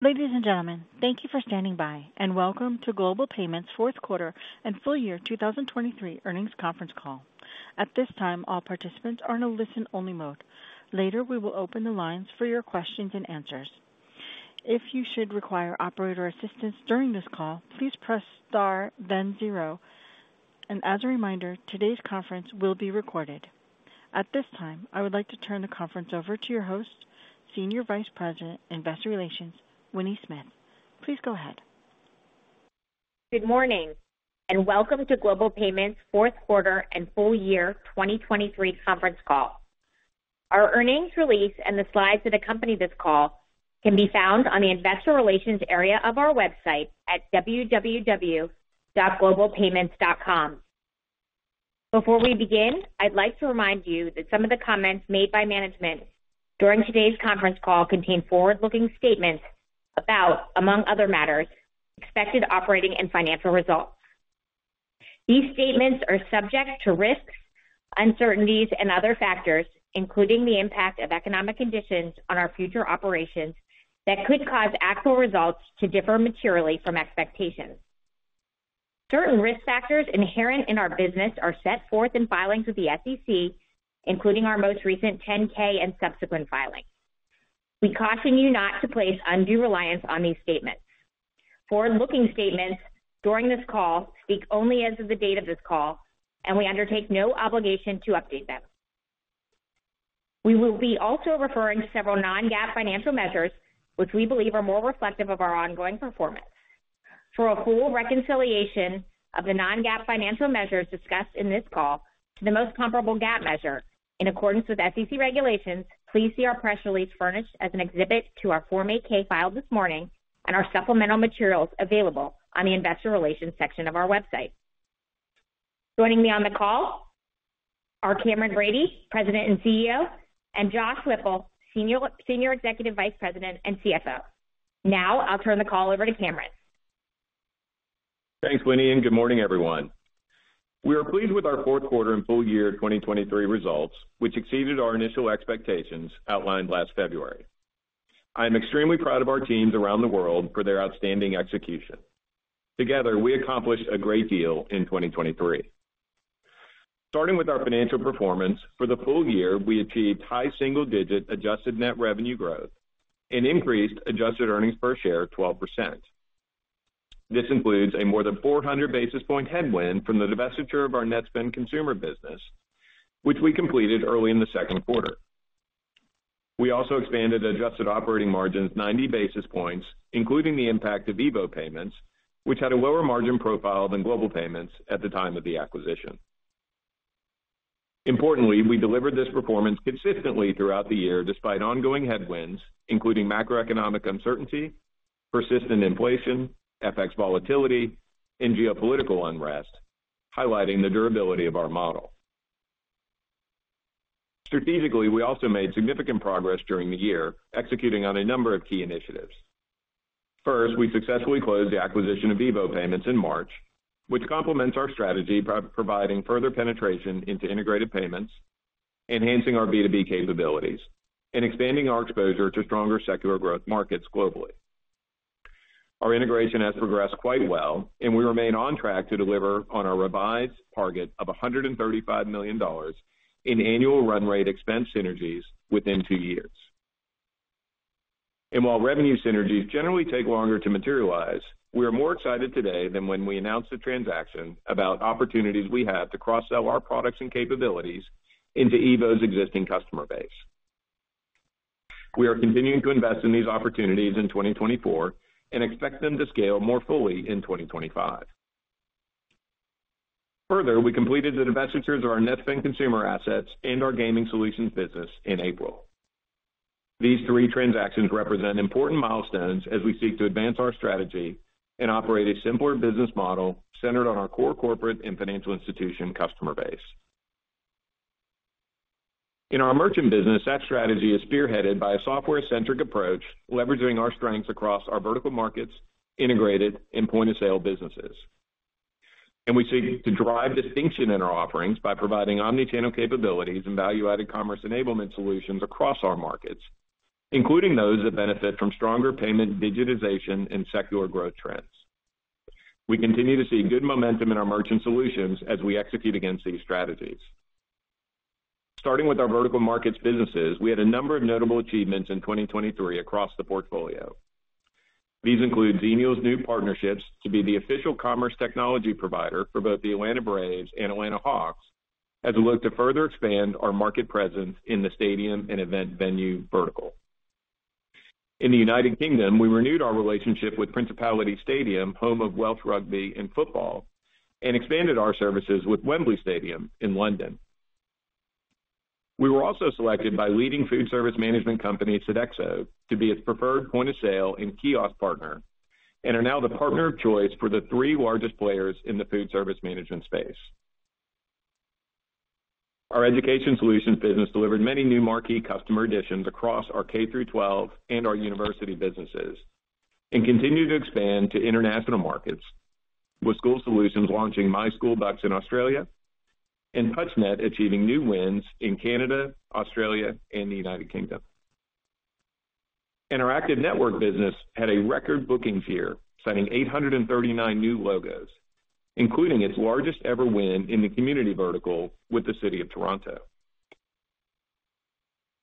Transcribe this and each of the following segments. Ladies and gentlemen, thank you for standing by, and welcome to Global Payments' fourth quarter and full year 2023 earnings conference call. At this time, all participants are in a listen-only mode. Later, we will open the lines for your questions and answers. If you should require operator assistance during this call, please press star, then zero. As a reminder, today's conference will be recorded. At this time, I would like to turn the conference over to your host, Senior Vice President, Investor Relations, Winnie Smith. Please go ahead. Good morning, and welcome to Global Payments' fourth quarter and full year 2023 conference call. Our earnings release and the slides that accompany this call can be found on the Investor Relations area of our website at www.globalpayments.com. Before we begin, I'd like to remind you that some of the comments made by management during today's conference call contain forward-looking statements about, among other matters, expected operating and financial results. These statements are subject to risks, uncertainties, and other factors, including the impact of economic conditions on our future operations that could cause actual results to differ materially from expectations. Certain risk factors inherent in our business are set forth in filings with the SEC, including our most recent 10-K and subsequent filings. We caution you not to place undue reliance on these statements. Forward-looking statements during this call speak only as of the date of this call, and we undertake no obligation to update them. We will be also referring to several non-GAAP financial measures, which we believe are more reflective of our ongoing performance. For a full reconciliation of the non-GAAP financial measures discussed in this call to the most comparable GAAP measure in accordance with SEC regulations, please see our press release furnished as an exhibit to our Form 8-K filed this morning and our supplemental materials available on the Investor Relations section of our website. Joining me on the call are Cameron Bready, President and CEO, and Josh Whipple, Senior Executive Vice President and CFO. Now I'll turn the call over to Cameron. Thanks, Winnie, and good morning, everyone. We are pleased with our fourth quarter and full year 2023 results, which exceeded our initial expectations outlined last February. I am extremely proud of our teams around the world for their outstanding execution. Together, we accomplished a great deal in 2023. Starting with our financial performance, for the full year, we achieved high single-digit adjusted net revenue growth and increased adjusted earnings per share 12%. This includes a more than 400 basis point headwind from the divestiture of our Netspend Consumer business, which we completed early in the second quarter. We also expanded adjusted operating margins 90 basis points, including the impact of EVO Payments, which had a lower margin profile than Global Payments at the time of the acquisition. Importantly, we delivered this performance consistently throughout the year despite ongoing headwinds, including macroeconomic uncertainty, persistent inflation, FX volatility, and geopolitical unrest, highlighting the durability of our model. Strategically, we also made significant progress during the year executing on a number of key initiatives. First, we successfully closed the acquisition of EVO Payments in March, which complements our strategy providing further penetration into integrated payments, enhancing our B2B capabilities, and expanding our exposure to stronger secular growth markets globally. Our integration has progressed quite well, and we remain on track to deliver on our revised target of $135 million in annual run rate expense synergies within two years. And while revenue synergies generally take longer to materialize, we are more excited today than when we announced the transaction about opportunities we have to cross-sell our products and capabilities into EVO's existing customer base. We are continuing to invest in these opportunities in 2024 and expect them to scale more fully in 2025. Further, we completed the divestitures of our Netspend Consumer assets and our gaming solutions business in April. These three transactions represent important milestones as we seek to advance our strategy and operate a simpler business model centered on our core corporate and financial institution customer base. In our merchant business, that strategy is spearheaded by a software-centric approach leveraging our strengths across our vertical markets, integrated, and point-of-sale businesses. We seek to drive distinction in our offerings by providing omnichannel capabilities and value-added commerce enablement solutions across our markets, including those that benefit from stronger payment digitization and secular growth trends. We continue to see good momentum in our merchant solutions as we execute against these strategies. Starting with our vertical markets businesses, we had a number of notable achievements in 2023 across the portfolio. These include Xenial's new partnerships to be the official commerce technology provider for both the Atlanta Braves and Atlanta Hawks as we look to further expand our market presence in the stadium and event venue vertical. In the United Kingdom, we renewed our relationship with Principality Stadium, home of Welsh rugby and football, and expanded our services with Wembley Stadium in London. We were also selected by leading food service management company Sodexo to be its preferred point-of-sale and kiosk partner, and are now the partner of choice for the three largest players in the food service management space. Our education solutions business delivered many new marquee customer additions across our K-12 and our university businesses and continued to expand to international markets with School Solutions launching MySchoolBucks in Australia and TouchNet achieving new wins in Canada, Australia, and the United Kingdom. Active Network business had a record booking year, signing 839 new logos, including its largest ever win in the community vertical with the city of Toronto.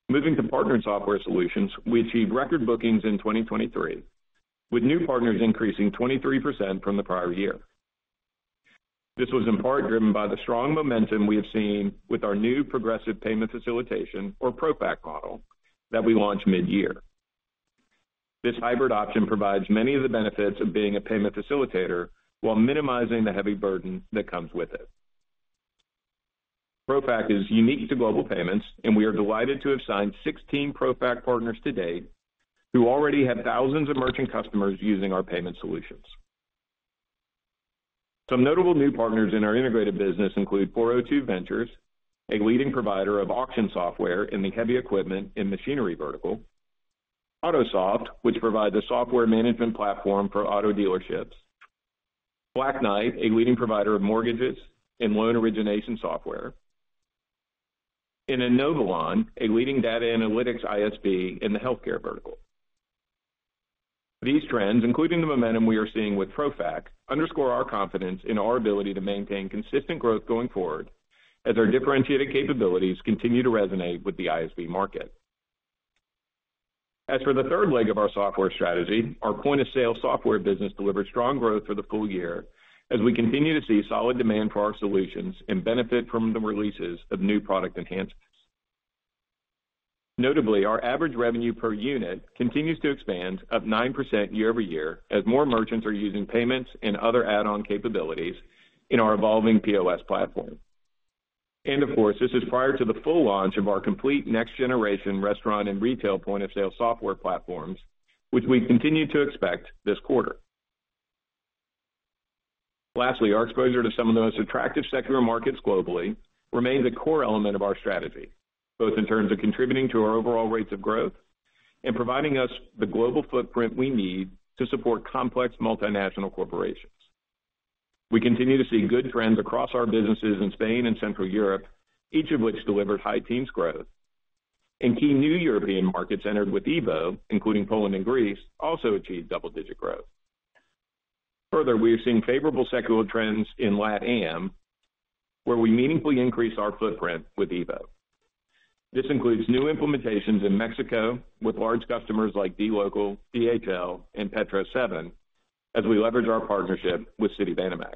Moving to partnered software solutions, we achieved record bookings in 2023, with new partners increasing 23% from the prior year. This was in part driven by the strong momentum we have seen with our new progressive payment facilitation, or ProFac, model that we launched mid-year. This hybrid option provides many of the benefits of being a payment facilitator while minimizing the heavy burden that comes with it. ProFac is unique to Global Payments, and we are delighted to have signed 16 ProFac partners today who already have thousands of merchant customers using our payment solutions. Some notable new partners in our integrated business include 402 Ventures, a leading provider of auction software in the heavy equipment and machinery vertical. Autosoft, which provides a software management platform for auto dealerships. Black Knight, a leading provider of mortgages and loan origination software. And Inovalon, a leading data analytics ISV in the healthcare vertical. These trends, including the momentum we are seeing with ProFac, underscore our confidence in our ability to maintain consistent growth going forward as our differentiated capabilities continue to resonate with the ISV market. As for the third leg of our software strategy, our point-of-sale software business delivered strong growth for the full year as we continue to see solid demand for our solutions and benefit from the releases of new product enhancements. Notably, our average revenue per unit continues to expand up 9% year-over-year as more merchants are using payments and other add-on capabilities in our evolving POS platform. Of course, this is prior to the full launch of our complete next-generation restaurant and retail point-of-sale software platforms, which we continue to expect this quarter. Lastly, our exposure to some of the most attractive secular markets globally remains a core element of our strategy, both in terms of contributing to our overall rates of growth and providing us the global footprint we need to support complex multinational corporations. We continue to see good trends across our businesses in Spain and Central Europe, each of which delivered high teens growth. Key new European markets entered with EVO, including Poland and Greece, also achieved double-digit growth. Further, we are seeing favorable secular trends in LatAm, where we meaningfully increase our footprint with EVO. This includes new implementations in Mexico with large customers like dLocal, DHL, and Petro-7 as we leverage our partnership with Citibanamex.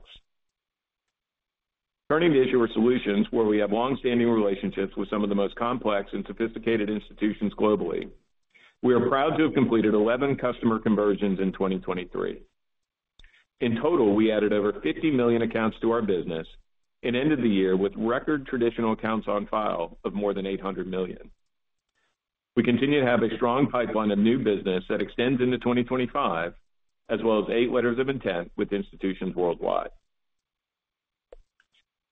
Turning to Issuer Solutions, where we have longstanding relationships with some of the most complex and sophisticated institutions globally. We are proud to have completed 11 customer conversions in 2023. In total, we added over 50 million accounts to our business and ended the year with record traditional accounts on file of more than 800 million. We continue to have a strong pipeline of new business that extends into 2025, as well as eight letters of intent with institutions worldwide.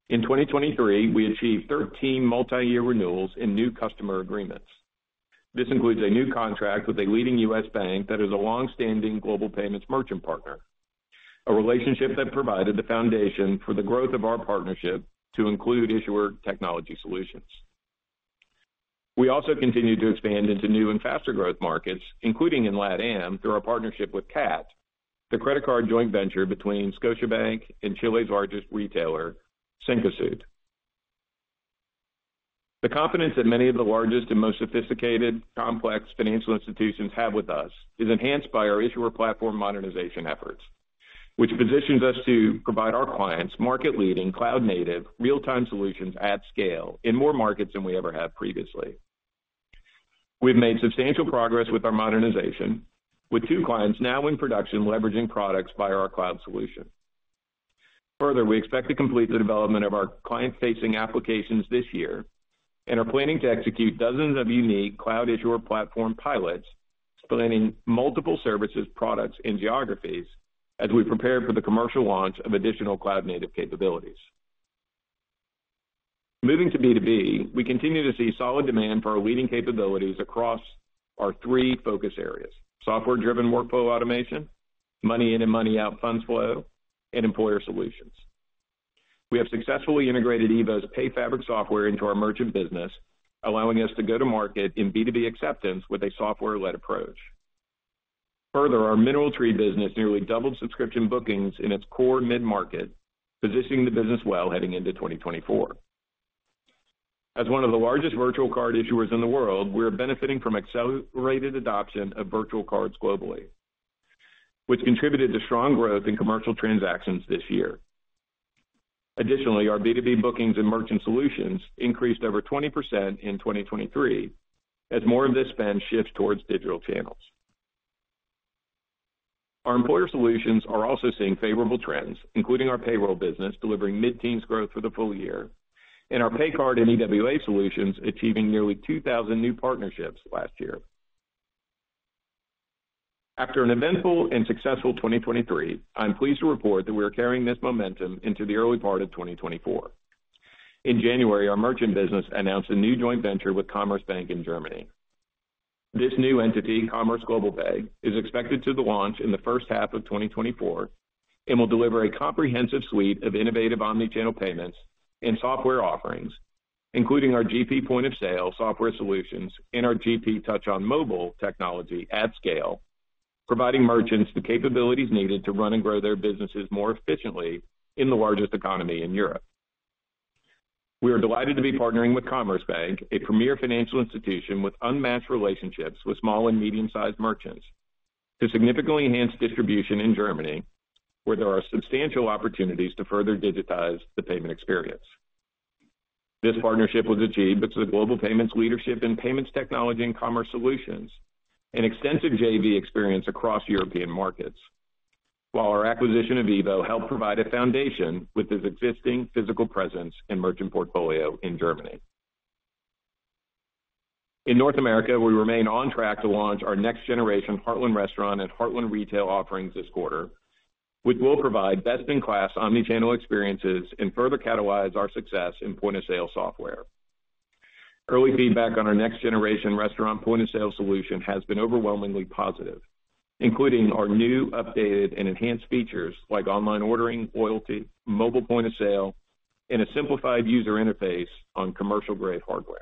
In 2023, we achieved 13 multi-year renewals in new customer agreements. This includes a new contract with a leading U.S. bank that is a longstanding Global Payments merchant partner. A relationship that provided the foundation for the growth of our partnership to include issuer technology solutions. We also continue to expand into new and faster growth markets, including in LatAm through our partnership with CAT, the credit card joint venture between Scotiabank and Chile's largest retailer, Cencosud. The confidence that many of the largest and most sophisticated complex financial institutions have with us is enhanced by our issuer platform modernization efforts, which positions us to provide our clients market-leading, cloud-native, real-time solutions at scale in more markets than we ever have previously. We've made substantial progress with our modernization, with two clients now in production leveraging products via our cloud solution. Further, we expect to complete the development of our client-facing applications this year and are planning to execute dozens of unique cloud issuer platform pilots, expanding multiple services, products, and geographies as we prepare for the commercial launch of additional cloud-native capabilities. Moving to B2B, we continue to see solid demand for our leading capabilities across our three focus areas: software-driven workflow automation, money-in and money-out funds flow, and employer solutions. We have successfully integrated EVO's PayFabric software into our merchant business, allowing us to go to market in B2B acceptance with a software-led approach. Further, our MineralTree business nearly doubled subscription bookings in its core mid-market, positioning the business well heading into 2024. As one of the largest virtual card issuers in the world, we are benefiting from accelerated adoption of virtual cards globally, which contributed to strong growth in commercial transactions this year. Additionally, our B2B bookings and merchant solutions increased over 20% in 2023 as more of this spend shifts towards digital channels. Our employer solutions are also seeing favorable trends, including our payroll business delivering mid-teens growth for the full year. And our pay card and EWA solutions achieving nearly 2,000 new partnerships last year. After an eventful and successful 2023, I'm pleased to report that we are carrying this momentum into the early part of 2024. In January, our merchant business announced a new joint venture with Commerzbank in Germany. This new entity, Commerz GlobalPay, is expected to launch in the first half of 2024 and will deliver a comprehensive suite of innovative omnichannel payments and software offerings, including our GP point-of-sale software solutions and our GP Tom technology at scale, providing merchants the capabilities needed to run and grow their businesses more efficiently in the largest economy in Europe. We are delighted to be partnering with Commerzbank, a premier financial institution with unmatched relationships with small and medium-sized merchants, to significantly enhance distribution in Germany, where there are substantial opportunities to further digitize the payment experience. This partnership was achieved because of Global Payments leadership in payments technology and commerce solutions and extensive JV experience across European markets, while our acquisition of EVO helped provide a foundation with its existing physical presence and merchant portfolio in Germany. In North America, we remain on track to launch our next-generation Heartland Restaurant and Heartland Retail offerings this quarter, which will provide best-in-class omnichannel experiences and further catalyze our success in point-of-sale software. Early feedback on our next-generation restaurant point-of-sale solution has been overwhelmingly positive, including our new, updated, and enhanced features like online ordering, loyalty, mobile point-of-sale, and a simplified user interface on commercial-grade hardware.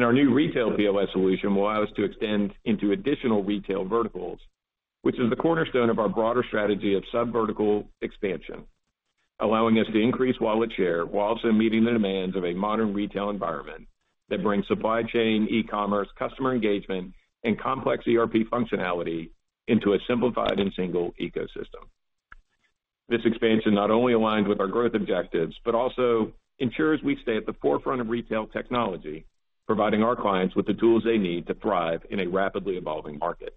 Our new retail POS solution will allow us to extend into additional retail verticals, which is the cornerstone of our broader strategy of subvertical expansion, allowing us to increase wallet share while also meeting the demands of a modern retail environment that brings supply chain, e-commerce, customer engagement, and complex ERP functionality into a simplified and single ecosystem. This expansion not only aligns with our growth objectives, but also ensures we stay at the forefront of retail technology, providing our clients with the tools they need to thrive in a rapidly evolving market.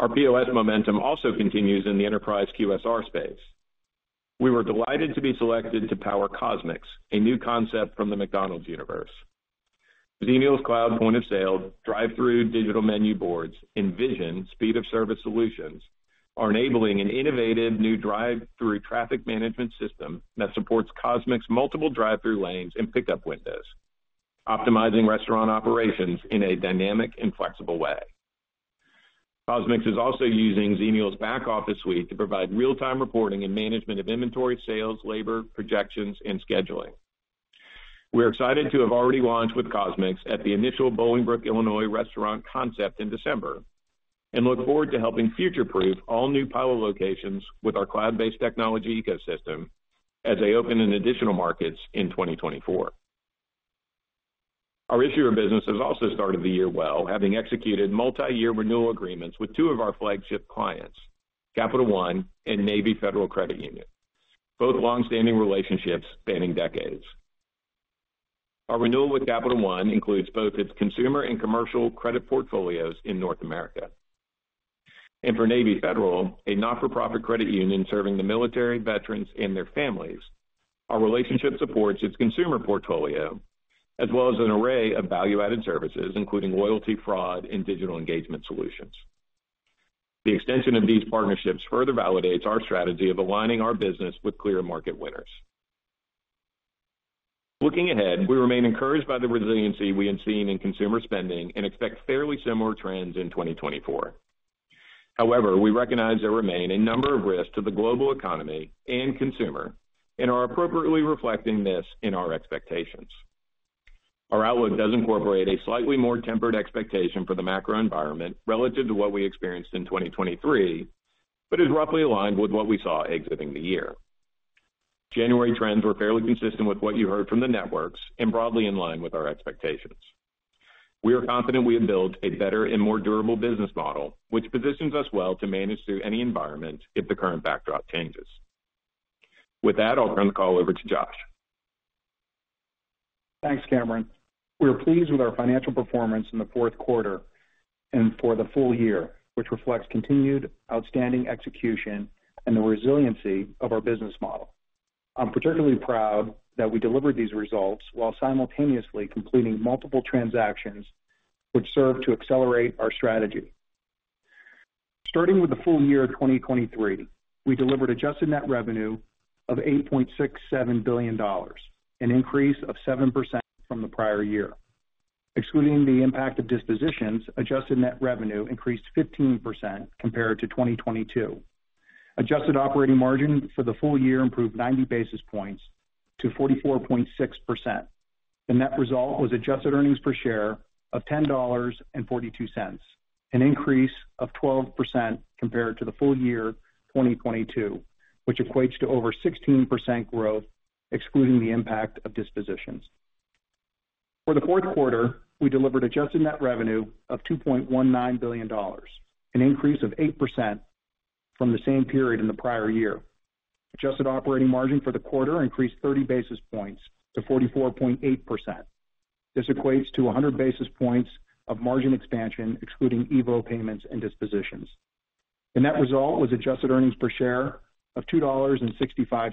Our POS momentum also continues in the enterprise QSR space. We were delighted to be selected to power CosMc's, a new concept from the McDonald's universe. Xenial's cloud point-of-sale, drive-through digital menu boards and vision speed-of-service solutions are enabling an innovative new drive-through traffic management system that supports CosMc's multiple drive-through lanes and pickup windows, optimizing restaurant operations in a dynamic and flexible way. CosMc's is also using Xenial's back-office suite to provide real-time reporting and management of inventory, sales, labor projections, and scheduling. We're excited to have already launched with CosMc's at the initial Bolingbrook, Illinois restaurant concept in December and look forward to helping future-proof all new pilot locations with our cloud-based technology ecosystem as they open in additional markets in 2024. Our issuer business has also started the year well, having executed multi-year renewal agreements with two of our flagship clients, Capital One and Navy Federal Credit Union, both longstanding relationships spanning decades. Our renewal with Capital One includes both its consumer and commercial credit portfolios in North America. For Navy Federal, a not-for-profit credit union serving the military, veterans, and their families, our relationship supports its consumer portfolio as well as an array of value-added services, including loyalty, fraud, and digital engagement solutions. The extension of these partnerships further validates our strategy of aligning our business with clear market winners. Looking ahead, we remain encouraged by the resiliency we have seen in consumer spending and expect fairly similar trends in 2024. However, we recognize there remain a number of risks to the global economy and consumer and are appropriately reflecting this in our expectations. Our outlook does incorporate a slightly more tempered expectation for the macro environment relative to what we experienced in 2023, but is roughly aligned with what we saw exiting the year. January trends were fairly consistent with what you heard from the networks and broadly in line with our expectations. We are confident we have built a better and more durable business model, which positions us well to manage through any environment if the current backdrop changes. With that, I'll turn the call over to Josh. Thanks, Cameron. We are pleased with our financial performance in the fourth quarter and for the full year, which reflects continued outstanding execution and the resiliency of our business model. I'm particularly proud that we delivered these results while simultaneously completing multiple transactions, which serve to accelerate our strategy. Starting with the full year of 2023, we delivered adjusted net revenue of $8.67 billion, an increase of 7% from the prior year. Excluding the impact of dispositions, adjusted net revenue increased 15% compared to 2022. Adjusted operating margin for the full year improved 90 basis points to 44.6%. The net result was adjusted earnings per share of $10.42, an increase of 12% compared to the full year 2022, which equates to over 16% growth excluding the impact of dispositions. For the fourth quarter, we delivered adjusted net revenue of $2.19 billion, an increase of 8% from the same period in the prior year. Adjusted operating margin for the quarter increased 30 basis points to 44.8%. This equates to 100 basis points of margin expansion excluding EVO Payments and dispositions. The net result was adjusted earnings per share of $2.65,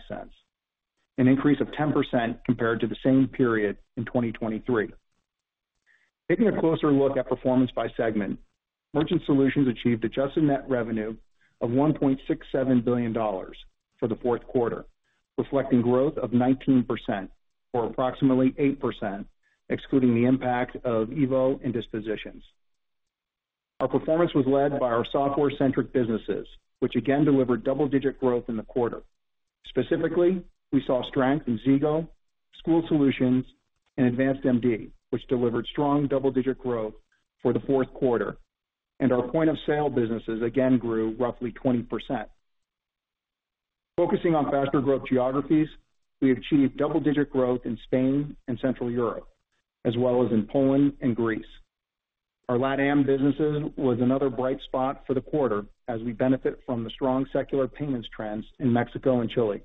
an increase of 10% compared to the same period in 2023. Taking a closer look at performance by segment, merchant solutions achieved adjusted net revenue of $1.67 billion for the fourth quarter, reflecting growth of 19% or approximately 8% excluding the impact of EVO and dispositions. Our performance was led by our software-centric businesses, which again delivered double-digit growth in the quarter. Specifically, we saw strength in Zego, School Solutions, and AdvancedMD, which delivered strong double-digit growth for the fourth quarter. Our point-of-sale businesses again grew roughly 20%. Focusing on faster growth geographies, we achieved double-digit growth in Spain and Central Europe, as well as in Poland and Greece. Our LatAm businesses were another bright spot for the quarter as we benefit from the strong secular payments trends in Mexico and Chile.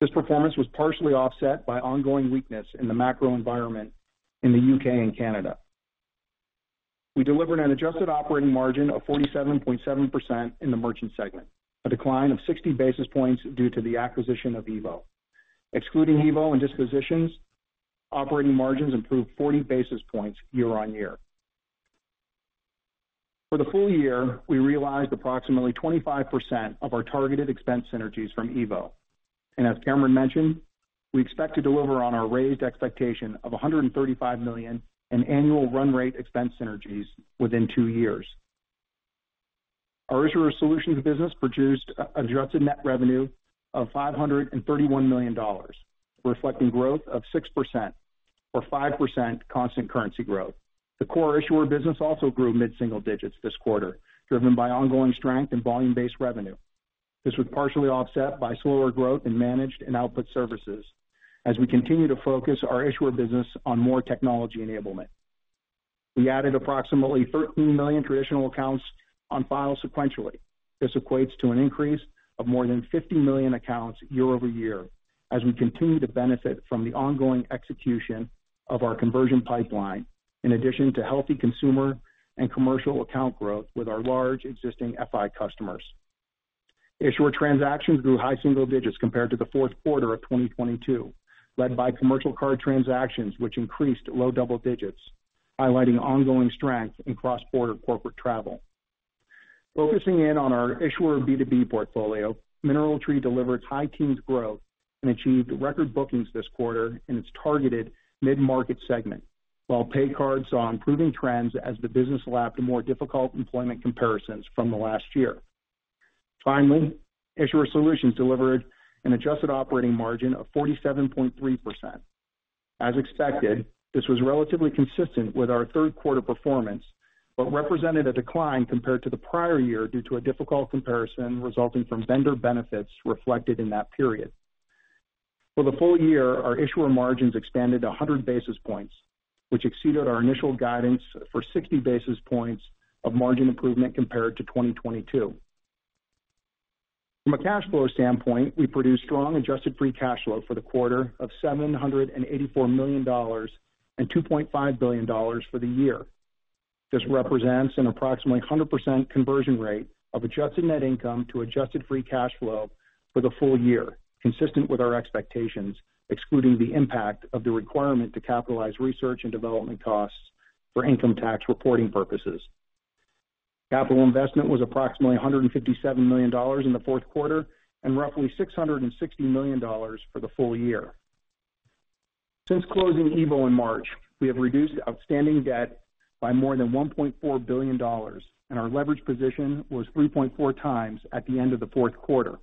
This performance was partially offset by ongoing weakness in the macro environment in the UK and Canada. We delivered an adjusted operating margin of 47.7% in the merchant segment, a decline of 60 basis points due to the acquisition of EVO. Excluding EVO and dispositions, operating margins improved 40 basis points year-on-year. For the full year, we realized approximately 25% of our targeted expense synergies from EVO. As Cameron mentioned, we expect to deliver on our raised expectation of $135 million in annual run-rate expense synergies within two years. Our Issuer Solutions business produced adjusted net revenue of $531 million, reflecting growth of 6% or 5% constant currency growth. The core issuer business also grew mid-single digits this quarter, driven by ongoing strength and volume-based revenue. This was partially offset by slower growth in managed and output services as we continue to focus our issuer business on more technology enablement. We added approximately 13 million traditional accounts on file sequentially. This equates to an increase of more than 50 million accounts year over year as we continue to benefit from the ongoing execution of our conversion pipeline, in addition to healthy consumer and commercial account growth with our large existing FI customers. Issuer transactions grew high single digits compared to the fourth quarter of 2022, led by commercial card transactions, which increased low double digits, highlighting ongoing strength in cross-border corporate travel. Focusing in on our issuer B2B portfolio, MineralTree delivered high teens growth and achieved record bookings this quarter in its targeted mid-market segment, while pay cards saw improving trends as the business lapped more difficult employment comparisons from the last year. Finally, Issuer Solutions delivered an adjusted operating margin of 47.3%. As expected, this was relatively consistent with our third quarter performance, but represented a decline compared to the prior year due to a difficult comparison resulting from vendor benefits reflected in that period. For the full year, our issuer margins expanded 100 basis points, which exceeded our initial guidance for 60 basis points of margin improvement compared to 2022. From a cash flow standpoint, we produced strong adjusted free cash flow for the quarter of $784 million and $2.5 billion for the year. This represents an approximately 100% conversion rate of adjusted net income to adjusted free cash flow for the full year, consistent with our expectations, excluding the impact of the requirement to capitalize research and development costs for income tax reporting purposes. Capital investment was approximately $157 million in the fourth quarter and roughly $660 million for the full year. Since closing EVO in March, we have reduced outstanding debt by more than $1.4 billion, and our leverage position was 3.4x at the end of the fourth quarter.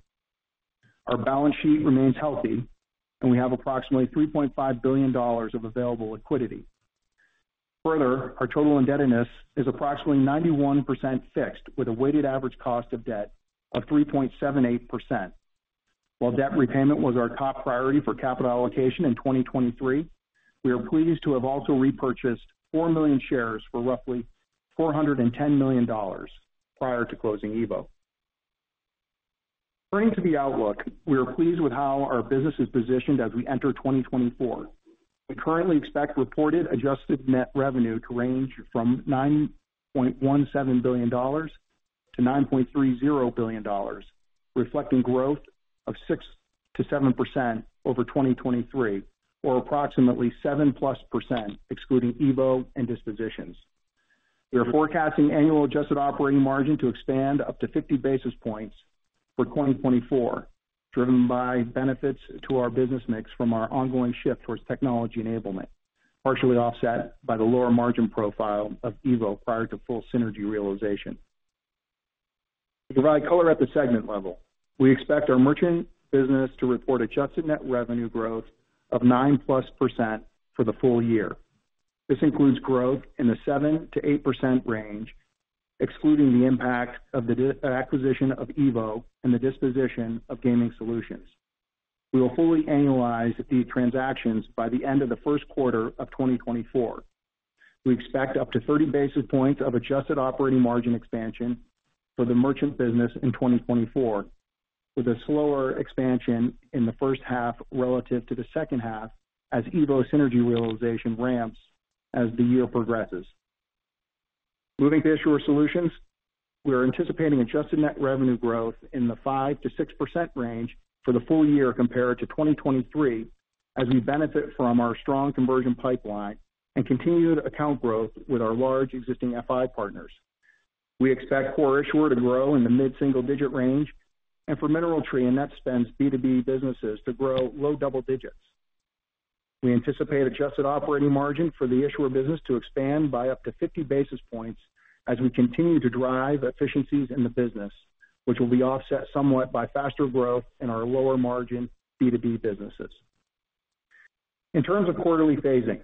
Our balance sheet remains healthy, and we have approximately $3.5 billion of available liquidity. Further, our total indebtedness is approximately 91% fixed with a weighted average cost of debt of 3.78%. While debt repayment was our top priority for capital allocation in 2023, we are pleased to have also repurchased 4 million shares for roughly $410 million prior to closing EVO. Turning to the outlook, we are pleased with how our business is positioned as we enter 2024. We currently expect reported adjusted net revenue to range from $9.17 billion-$9.30 billion, reflecting growth of 6%-7% over 2023, or approximately 7%+ percent excluding EVO and dispositions. We are forecasting annual adjusted operating margin to expand up to 50 basis points for 2024, driven by benefits to our business mix from our ongoing shift towards technology enablement, partially offset by the lower margin profile of EVO prior to full synergy realization. To provide color at the segment level, we expect our merchant business to report adjusted net revenue growth of 9%+ percent for the full year. This includes growth in the 7%-8% range, excluding the impact of the acquisition of EVO and the disposition of gaming solutions. We will fully analyze the transactions by the end of the first quarter of 2024. We expect up to 30 basis points of adjusted operating margin expansion for the merchant business in 2024, with a slower expansion in the first half relative to the second half as EVO synergy realization ramps as the year progresses. Moving to Issuer Solutions, we are anticipating adjusted net revenue growth in the 5%-6% range for the full year compared to 2023, as we benefit from our strong conversion pipeline and continued account growth with our large existing FI partners. We expect core issuer to grow in the mid-single digit range, and for MineralTree and Netspend's B2B businesses to grow low double digits. We anticipate adjusted operating margin for the issuer business to expand by up to 50 basis points as we continue to drive efficiencies in the business, which will be offset somewhat by faster growth in our lower margin B2B businesses. In terms of quarterly phasing,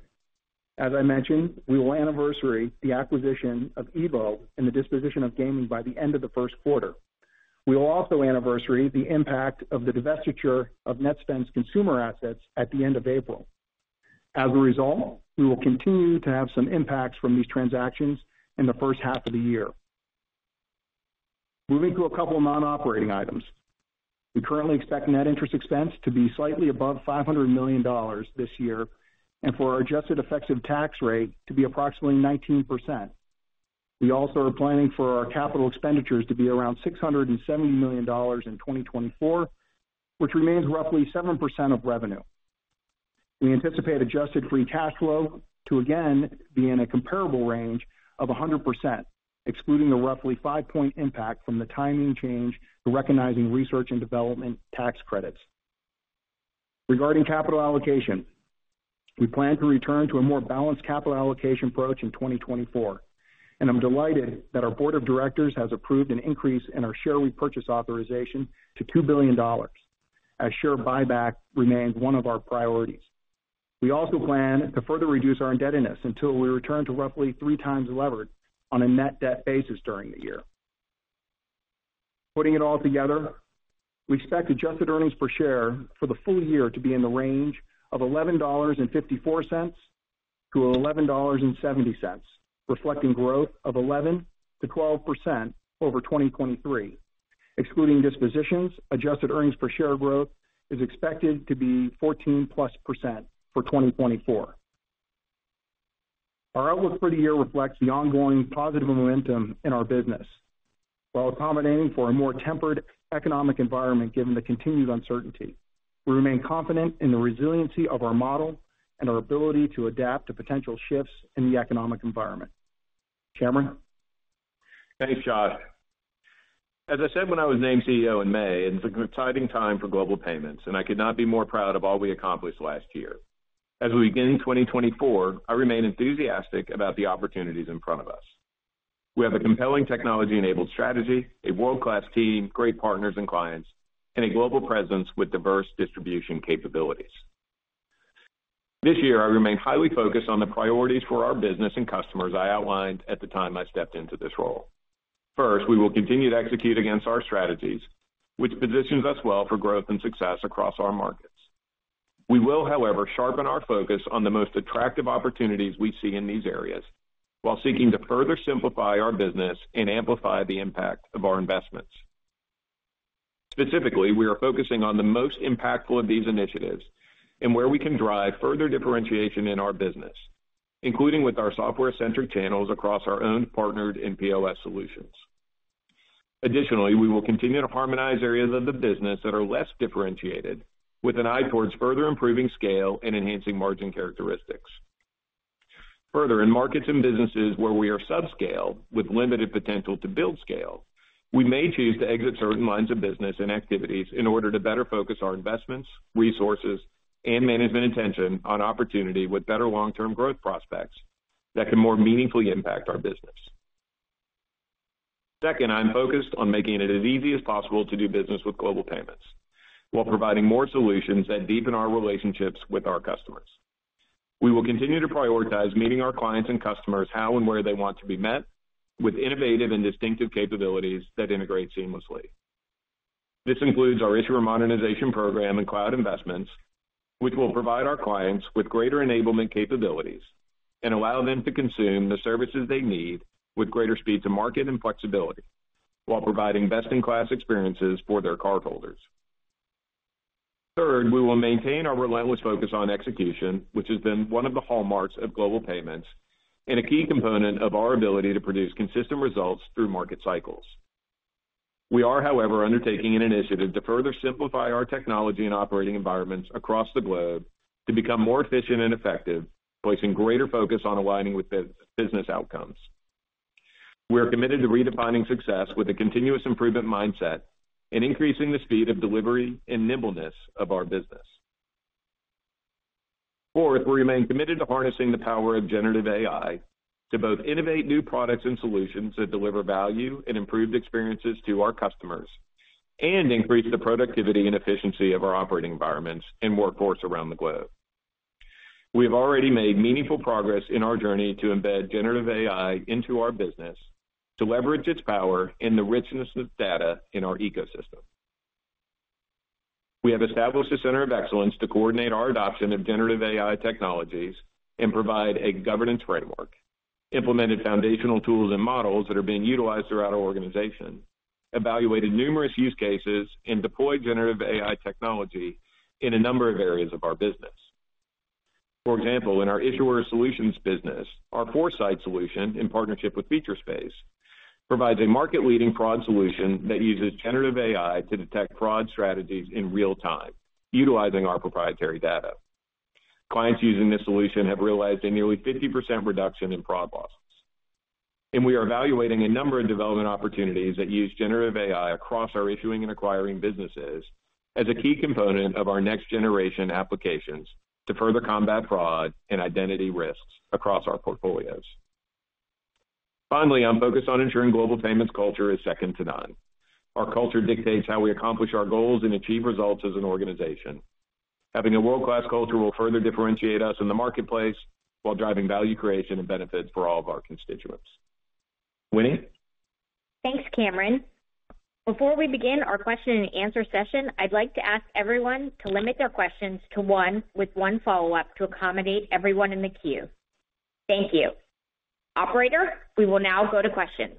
as I mentioned, we will anniversary the acquisition of EVO and the disposition of gaming by the end of the first quarter. We will also anniversary the impact of the divestiture of Netspend consumer assets at the end of April. As a result, we will continue to have some impacts from these transactions in the first half of the year. Moving to a couple of non-operating items. We currently expect net interest expense to be slightly above $500 million this year and for our adjusted effective tax rate to be approximately 19%. We also are planning for our capital expenditures to be around $670 million in 2024, which remains roughly 7% of revenue. We anticipate adjusted free cash flow to again be in a comparable range of 100%, excluding the roughly 5-point impact from the timing change to recognizing research and development tax credits. Regarding capital allocation, we plan to return to a more balanced capital allocation approach in 2024. I'm delighted that our board of directors has approved an increase in our share repurchase authorization to $2 billion, as share buyback remains one of our priorities. We also plan to further reduce our indebtedness until we return to roughly 3x levered on a net debt basis during the year. Putting it all together, we expect adjusted earnings per share for the full year to be in the range of $11.54-$11.70, reflecting growth of 11%-12% over 2023. Excluding dispositions, adjusted earnings per share growth is expected to be 14% plus percent for 2024. Our outlook for the year reflects the ongoing positive momentum in our business while accommodating for a more tempered economic environment given the continued uncertainty. We remain confident in the resiliency of our model and our ability to adapt to potential shifts in the economic environment. Cameron? Thanks, Josh. As I said when I was named CEO in May, it's an exciting time for Global Payments, and I could not be more proud of all we accomplished last year. As we begin 2024, I remain enthusiastic about the opportunities in front of us. We have a compelling technology-enabled strategy, a world-class team, great partners and clients, and a global presence with diverse distribution capabilities. This year, I remain highly focused on the priorities for our business and customers I outlined at the time I stepped into this role. First, we will continue to execute against our strategies, which positions us well for growth and success across our markets. We will, however, sharpen our focus on the most attractive opportunities we see in these areas while seeking to further simplify our business and amplify the impact of our investments. Specifically, we are focusing on the most impactful of these initiatives and where we can drive further differentiation in our business, including with our software-centric channels across our own partnered and POS solutions. Additionally, we will continue to harmonize areas of the business that are less differentiated with an eye towards further improving scale and enhancing margin characteristics. Further, in markets and businesses where we are subscale with limited potential to build scale, we may choose to exit certain lines of business and activities in order to better focus our investments, resources, and management attention on opportunity with better long-term growth prospects that can more meaningfully impact our business. Second, I'm focused on making it as easy as possible to do business with Global Payments while providing more solutions that deepen our relationships with our customers. We will continue to prioritize meeting our clients and customers how and where they want to be met with innovative and distinctive capabilities that integrate seamlessly. This includes our issuer modernization program and cloud investments, which will provide our clients with greater enablement capabilities and allow them to consume the services they need with greater speed to market and flexibility while providing best-in-class experiences for their cardholders. Third, we will maintain our relentless focus on execution, which has been one of the hallmarks of Global Payments and a key component of our ability to produce consistent results through market cycles. We are, however, undertaking an initiative to further simplify our technology and operating environments across the globe to become more efficient and effective, placing greater focus on aligning with business outcomes. We are committed to redefining success with a continuous improvement mindset and increasing the speed of delivery and nimbleness of our business. Fourth, we remain committed to harnessing the power of generative AI to both innovate new products and solutions that deliver value and improved experiences to our customers and increase the productivity and efficiency of our operating environments and workforce around the globe. We have already made meaningful progress in our journey to embed generative AI into our business to leverage its power and the richness of data in our ecosystem. We have established a center of excellence to coordinate our adoption of generative AI technologies and provide a governance framework, implemented foundational tools and models that are being utilized throughout our organization, evaluated numerous use cases, and deployed generative AI technology in a number of areas of our business. For example, in our Issuer Solutions business, our Foresight solution in partnership with Featurespace provides a market-leading fraud solution that uses generative AI to detect fraud strategies in real time, utilizing our proprietary data. Clients using this solution have realized a nearly 50% reduction in fraud losses. We are evaluating a number of development opportunities that use generative AI across our issuing and acquiring businesses as a key component of our next-generation applications to further combat fraud and identity risks across our portfolios. Finally, I'm focused on ensuring Global Payments culture is second to none. Our culture dictates how we accomplish our goals and achieve results as an organization. Having a world-class culture will further differentiate us in the marketplace while driving value creation and benefits for all of our constituents. Winnie? Thanks, Cameron. Before we begin our question and answer session, I'd like to ask everyone to limit their questions to one with one follow-up to accommodate everyone in the queue. Thank you. Operator, we will now go to questions.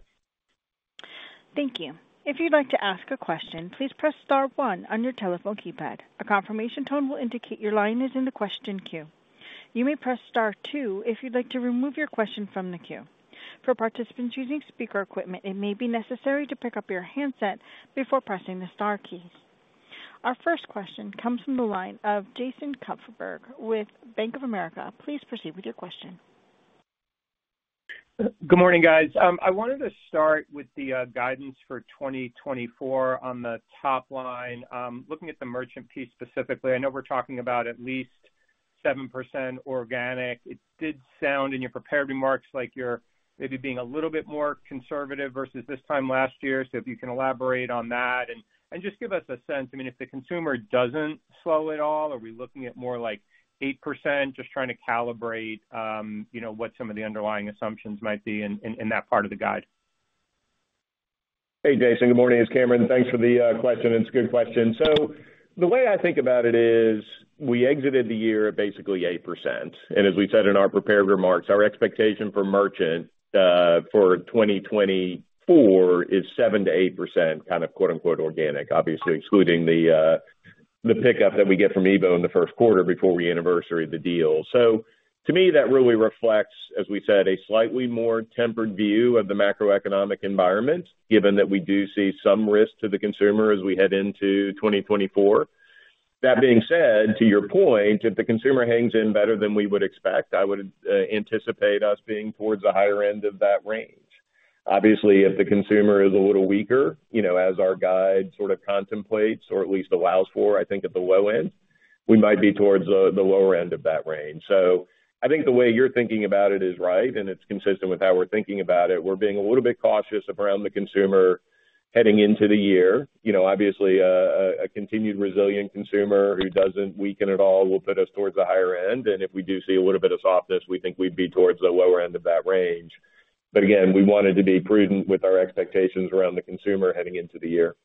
Thank you. If you'd like to ask a question, please press star one on your telephone keypad. A confirmation tone will indicate your line is in the question queue. You may press star two if you'd like to remove your question from the queue. For participants using speaker equipment, it may be necessary to pick up your handset before pressing the star keys. Our first question comes from the line of Jason Kupferberg with Bank of America. Please proceed with your question. Good morning, guys. I wanted to start with the guidance for 2024 on the top line. Looking at the merchant piece specifically, I know we're talking about at least 7% organic. It did sound in your prepared remarks like you're maybe being a little bit more conservative versus this time last year. So if you can elaborate on that and just give us a sense. I mean, if the consumer doesn't slow at all, are we looking at more like 8% just trying to calibrate what some of the underlying assumptions might be in that part of the guide? Hey, Jason. Good morning, it's Cameron. Thanks for the question. It's a good question. So the way I think about it is we exited the year at basically 8%. And as we said in our prepared remarks, our expectation for merchant for 2024 is 7%-8% kind of "organic," obviously excluding the pickup that we get from EVO in the first quarter before we anniversary the deal. So to me, that really reflects, as we said, a slightly more tempered view of the macroeconomic environment given that we do see some risk to the consumer as we head into 2024. That being said, to your point, if the consumer hangs in better than we would expect, I would anticipate us being towards the higher end of that range. Obviously, if the consumer is a little weaker, as our guide sort of contemplates or at least allows for, I think at the low end, we might be towards the lower end of that range. So I think the way you're thinking about it is right, and it's consistent with how we're thinking about it. We're being a little bit cautious around the consumer heading into the year. Obviously, a continued resilient consumer who doesn't weaken at all will put us towards the higher end. And if we do see a little bit of softness, we think we'd be towards the lower end of that range. But again, we wanted to be prudent with our expectations around the consumer heading into the year.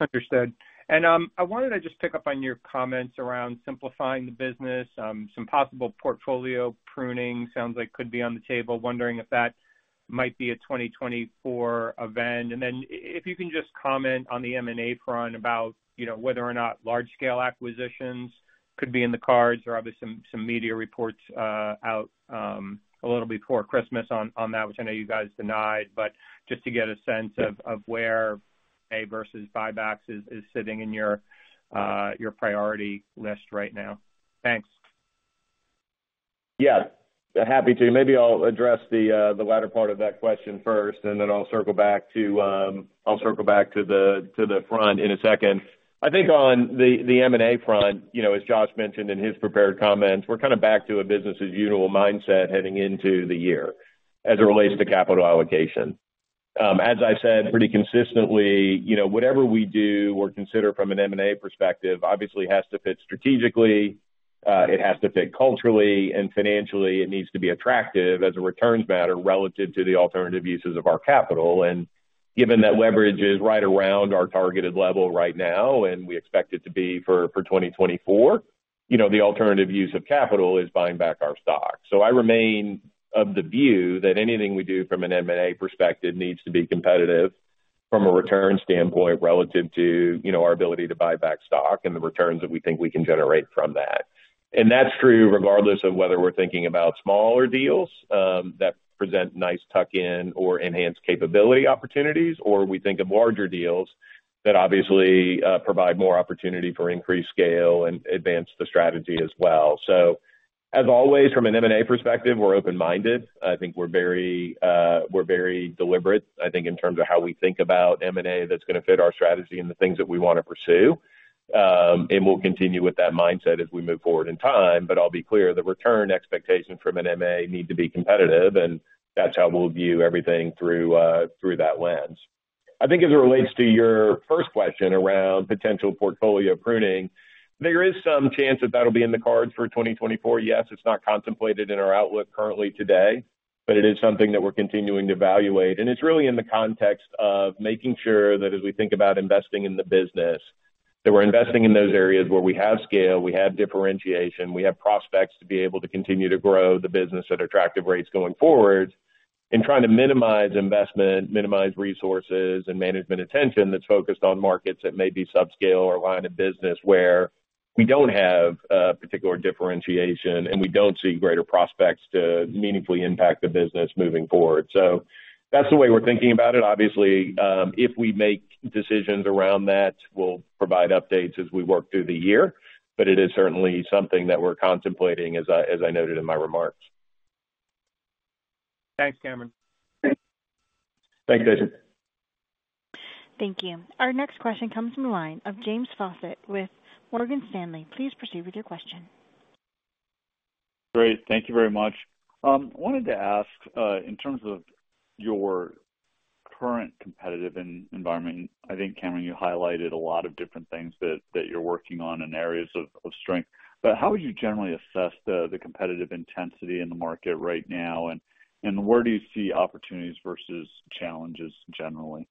Understood. And I wanted to just pick up on your comments around simplifying the business, some possible portfolio pruning sounds like could be on the table, wondering if that might be a 2024 event. And then if you can just comment on the M&A front about whether or not large-scale acquisitions could be in the cards or obviously some media reports out a little before Christmas on that, which I know you guys denied. But just to get a sense of where pay versus buybacks is sitting in your priority list right now. Thanks. Yeah, happy to. Maybe I'll address the latter part of that question first, and then I'll circle back to the front in a second. I think on the M&A front, as Josh mentioned in his prepared comments, we're kind of back to a business-as-usual mindset heading into the year as it relates to capital allocation. As I said pretty consistently, whatever we do or consider from an M&A perspective, obviously has to fit strategically. It has to fit culturally, and financially, it needs to be attractive as a returns matter relative to the alternative uses of our capital. And given that leverage is right around our targeted level right now, and we expect it to be for 2024, the alternative use of capital is buying back our stock. I remain of the view that anything we do from an M&A perspective needs to be competitive from a return standpoint relative to our ability to buy back stock and the returns that we think we can generate from that. That's true regardless of whether we're thinking about smaller deals that present nice tuck-in or enhanced capability opportunities, or we think of larger deals that obviously provide more opportunity for increased scale and advance the strategy as well. As always, from an M&A perspective, we're open-minded. I think we're very deliberate, I think, in terms of how we think about M&A that's going to fit our strategy and the things that we want to pursue. We'll continue with that mindset as we move forward in time. I'll be clear, the return expectations from an M&A need to be competitive, and that's how we'll view everything through that lens. I think as it relates to your first question around potential portfolio pruning, there is some chance that that'll be in the cards for 2024. Yes, it's not contemplated in our outlook currently today, but it is something that we're continuing to evaluate. It's really in the context of making sure that as we think about investing in the business, that we're investing in those areas where we have scale, we have differentiation, we have prospects to be able to continue to grow the business at attractive rates going forward, and trying to minimize investment, minimize resources, and management attention that's focused on markets that may be subscale or line of business where we don't have particular differentiation and we don't see greater prospects to meaningfully impact the business moving forward. That's the way we're thinking about it. Obviously, if we make decisions around that, we'll provide updates as we work through the year. It is certainly something that we're contemplating, as I noted in my remarks. Thanks, Cameron. Thanks, Jason. Thank you. Our next question comes from the line of James Faucette with Morgan Stanley. Please proceed with your question. Great. Thank you very much. I wanted to ask, in terms of your current competitive environment, I think, Cameron, you highlighted a lot of different things that you're working on and areas of strength. But how would you generally assess the competitive intensity in the market right now, and where do you see opportunities versus challenges generally?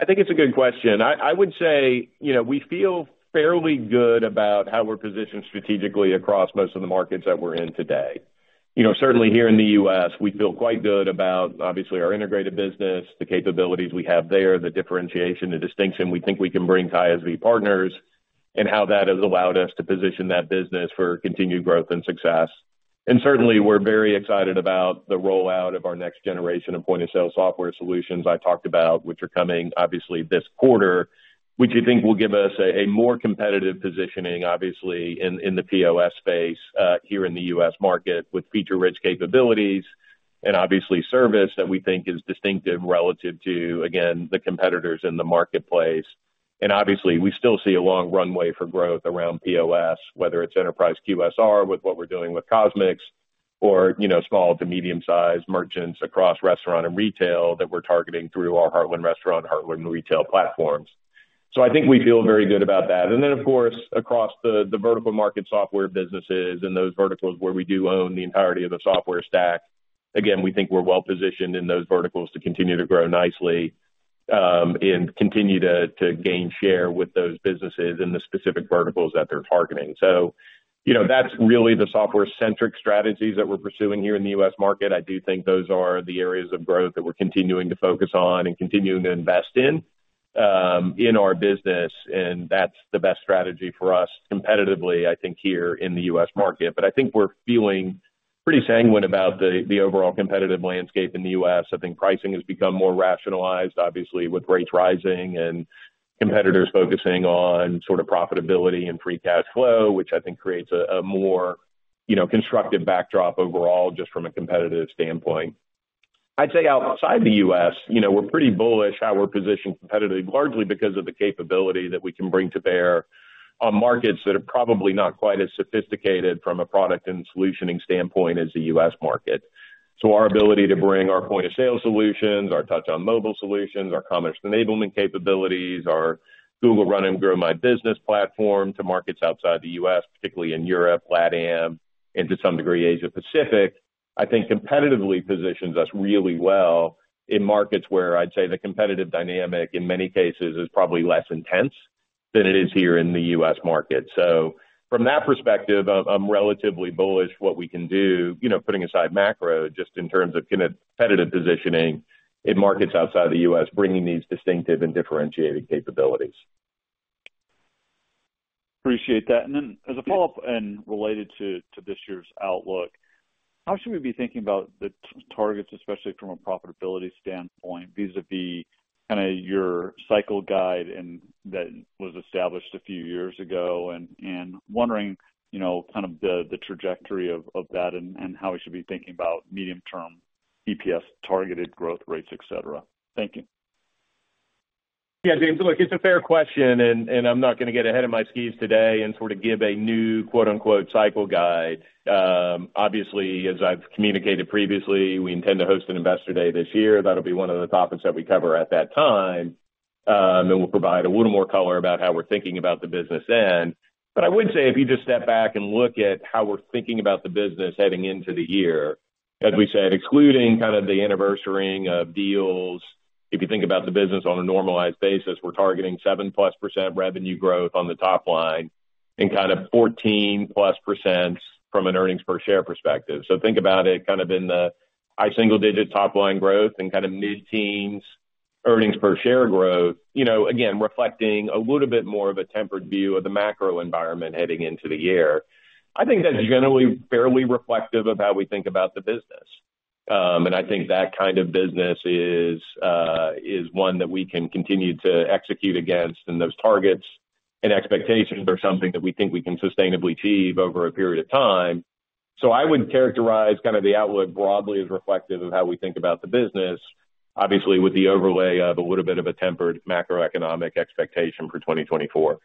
I think it's a good question. I would say we feel fairly good about how we're positioned strategically across most of the markets that we're in today. Certainly here in the U.S., we feel quite good about, obviously, our integrated business, the capabilities we have there, the differentiation, the distinction we think we can bring to ISV partners, and how that has allowed us to position that business for continued growth and success. Certainly, we're very excited about the rollout of our next generation of point-of-sale software solutions I talked about, which are coming, obviously, this quarter, which I think will give us a more competitive positioning, obviously, in the POS space here in the U.S. market with feature-rich capabilities and, obviously, service that we think is distinctive relative to, again, the competitors in the marketplace. And obviously, we still see a long runway for growth around POS, whether it's enterprise QSR with what we're doing with CosMc's or small to medium-sized merchants across restaurant and retail that we're targeting through our Heartland Restaurant and Heartland Retail platforms. So I think we feel very good about that. And then, of course, across the vertical market software businesses and those verticals where we do own the entirety of the software stack, again, we think we're well-positioned in those verticals to continue to grow nicely and continue to gain share with those businesses in the specific verticals that they're targeting. So that's really the software-centric strategies that we're pursuing here in the U.S. market. I do think those are the areas of growth that we're continuing to focus on and continuing to invest in our business. That's the best strategy for us competitively, I think, here in the U.S. market. But I think we're feeling pretty sanguine about the overall competitive landscape in the U.S. I think pricing has become more rationalized, obviously, with rates rising and competitors focusing on sort of profitability and free cash flow, which I think creates a more constructive backdrop overall just from a competitive standpoint. I'd say outside the U.S., we're pretty bullish how we're positioned competitively, largely because of the capability that we can bring to bear on markets that are probably not quite as sophisticated from a product and solutioning standpoint as the U.S. market. So our ability to bring our point-of-sale solutions, our Tap on Mobile solutions, our commerce enablement capabilities, our Global Run and Grow My Business platform to markets outside the U.S., particularly in Europe, LatAm, and to some degree, Asia-Pacific, I think competitively positions us really well in markets where I'd say the competitive dynamic, in many cases, is probably less intense than it is here in the U.S. market. So from that perspective, I'm relatively bullish what we can do, putting aside macro, just in terms of competitive positioning in markets outside the U.S., bringing these distinctive and differentiated capabilities. Appreciate that. And then as a follow-up and related to this year's outlook, how should we be thinking about the targets, especially from a profitability standpoint vis-à-vis kind of your cycle guide that was established a few years ago? And wondering kind of the trajectory of that and how we should be thinking about medium-term EPS targeted growth rates, etc. Thank you. Yeah, James. Look, it's a fair question, and I'm not going to get ahead of my skis today and sort of give a new "cycle guide." Obviously, as I've communicated previously, we intend to host an investor day this year. That'll be one of the topics that we cover at that time, and we'll provide a little more color about how we're thinking about the business then. But I would say if you just step back and look at how we're thinking about the business heading into the year, as we said, excluding kind of the anniversarying of deals, if you think about the business on a normalized basis, we're targeting 7%+ revenue growth on the top line and kind of 14%+ from an earnings per share perspective. So think about it kind of in the high single-digit top line growth and kind of mid-teens earnings per share growth, again, reflecting a little bit more of a tempered view of the macro environment heading into the year. I think that's generally fairly reflective of how we think about the business. I think that kind of business is one that we can continue to execute against, and those targets and expectations are something that we think we can sustainably achieve over a period of time. I would characterize kind of the outlook broadly as reflective of how we think about the business, obviously, with the overlay of a little bit of a tempered macroeconomic expectation for 2024.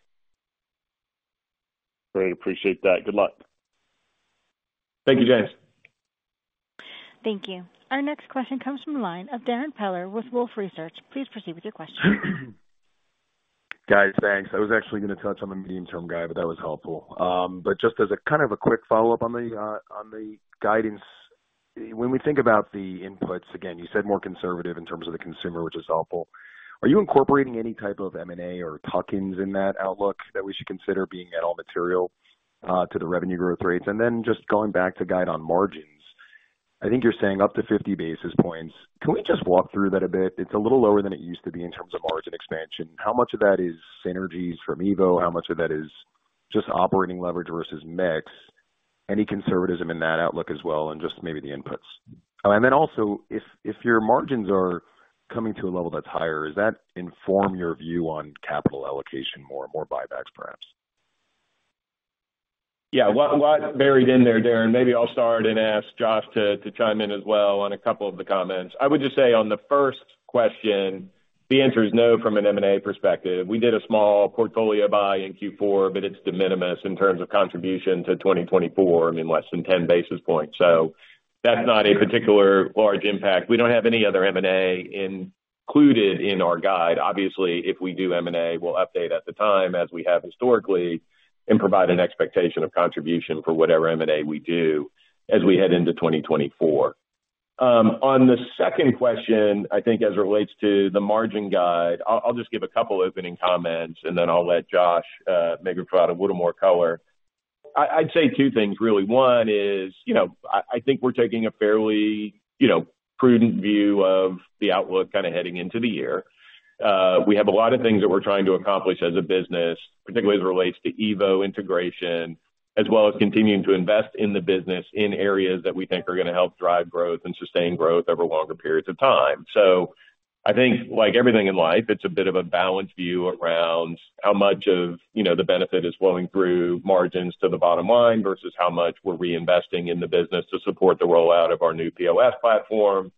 Great. Appreciate that. Good luck. Thank you, James. Thank you. Our next question comes from the line of Darrin Peller with Wolfe Research. Please proceed with your question. Guys, thanks. I was actually going to touch on the medium-term guide, but that was helpful. But just as a kind of a quick follow-up on the guidance, when we think about the inputs, again, you said more conservative in terms of the consumer, which is helpful. Are you incorporating any type of M&A or tuck-ins in that outlook that we should consider being at all material to the revenue growth rates? And then just going back to guide on margins, I think you're saying up to 50 basis points. Can we just walk through that a bit? It's a little lower than it used to be in terms of margin expansion. How much of that is synergies from EVO? How much of that is just operating leverage versus mix? Any conservatism in that outlook as well, and just maybe the inputs? If your margins are coming to a level that's higher, does that inform your view on capital allocation more, more buybacks, perhaps? Yeah. What's buried in there, Darrin? Maybe I'll start and ask Josh to chime in as well on a couple of the comments. I would just say on the first question, the answer is no from an M&A perspective. We did a small portfolio buy in Q4, but it's de minimis in terms of contribution to 2024, I mean, less than 10 basis points. So that's not a particular large impact. We don't have any other M&A included in our guide. Obviously, if we do M&A, we'll update at the time as we have historically and provide an expectation of contribution for whatever M&A we do as we head into 2024. On the second question, I think as it relates to the margin guide, I'll just give a couple of opening comments, and then I'll let Josh maybe provide a little more color. I'd say two things, really. One is I think we're taking a fairly prudent view of the outlook kind of heading into the year. We have a lot of things that we're trying to accomplish as a business, particularly as it relates to EVO integration, as well as continuing to invest in the business in areas that we think are going to help drive growth and sustain growth over longer periods of time. So I think, like everything in life, it's a bit of a balanced view around how much of the benefit is flowing through margins to the bottom line versus how much we're reinvesting in the business to support the rollout of our new POS platform,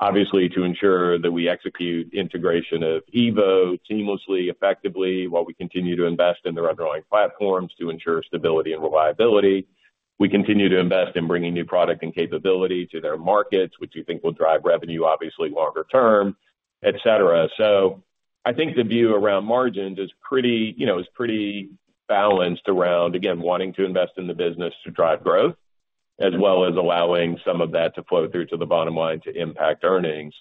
obviously, to ensure that we execute integration of EVO seamlessly, effectively while we continue to invest in the run-the-bank platforms to ensure stability and reliability. We continue to invest in bringing new product and capability to their markets, which we think will drive revenue, obviously, longer term, etc. So I think the view around margins is pretty balanced around, again, wanting to invest in the business to drive growth as well as allowing some of that to flow through to the bottom line to impact earnings.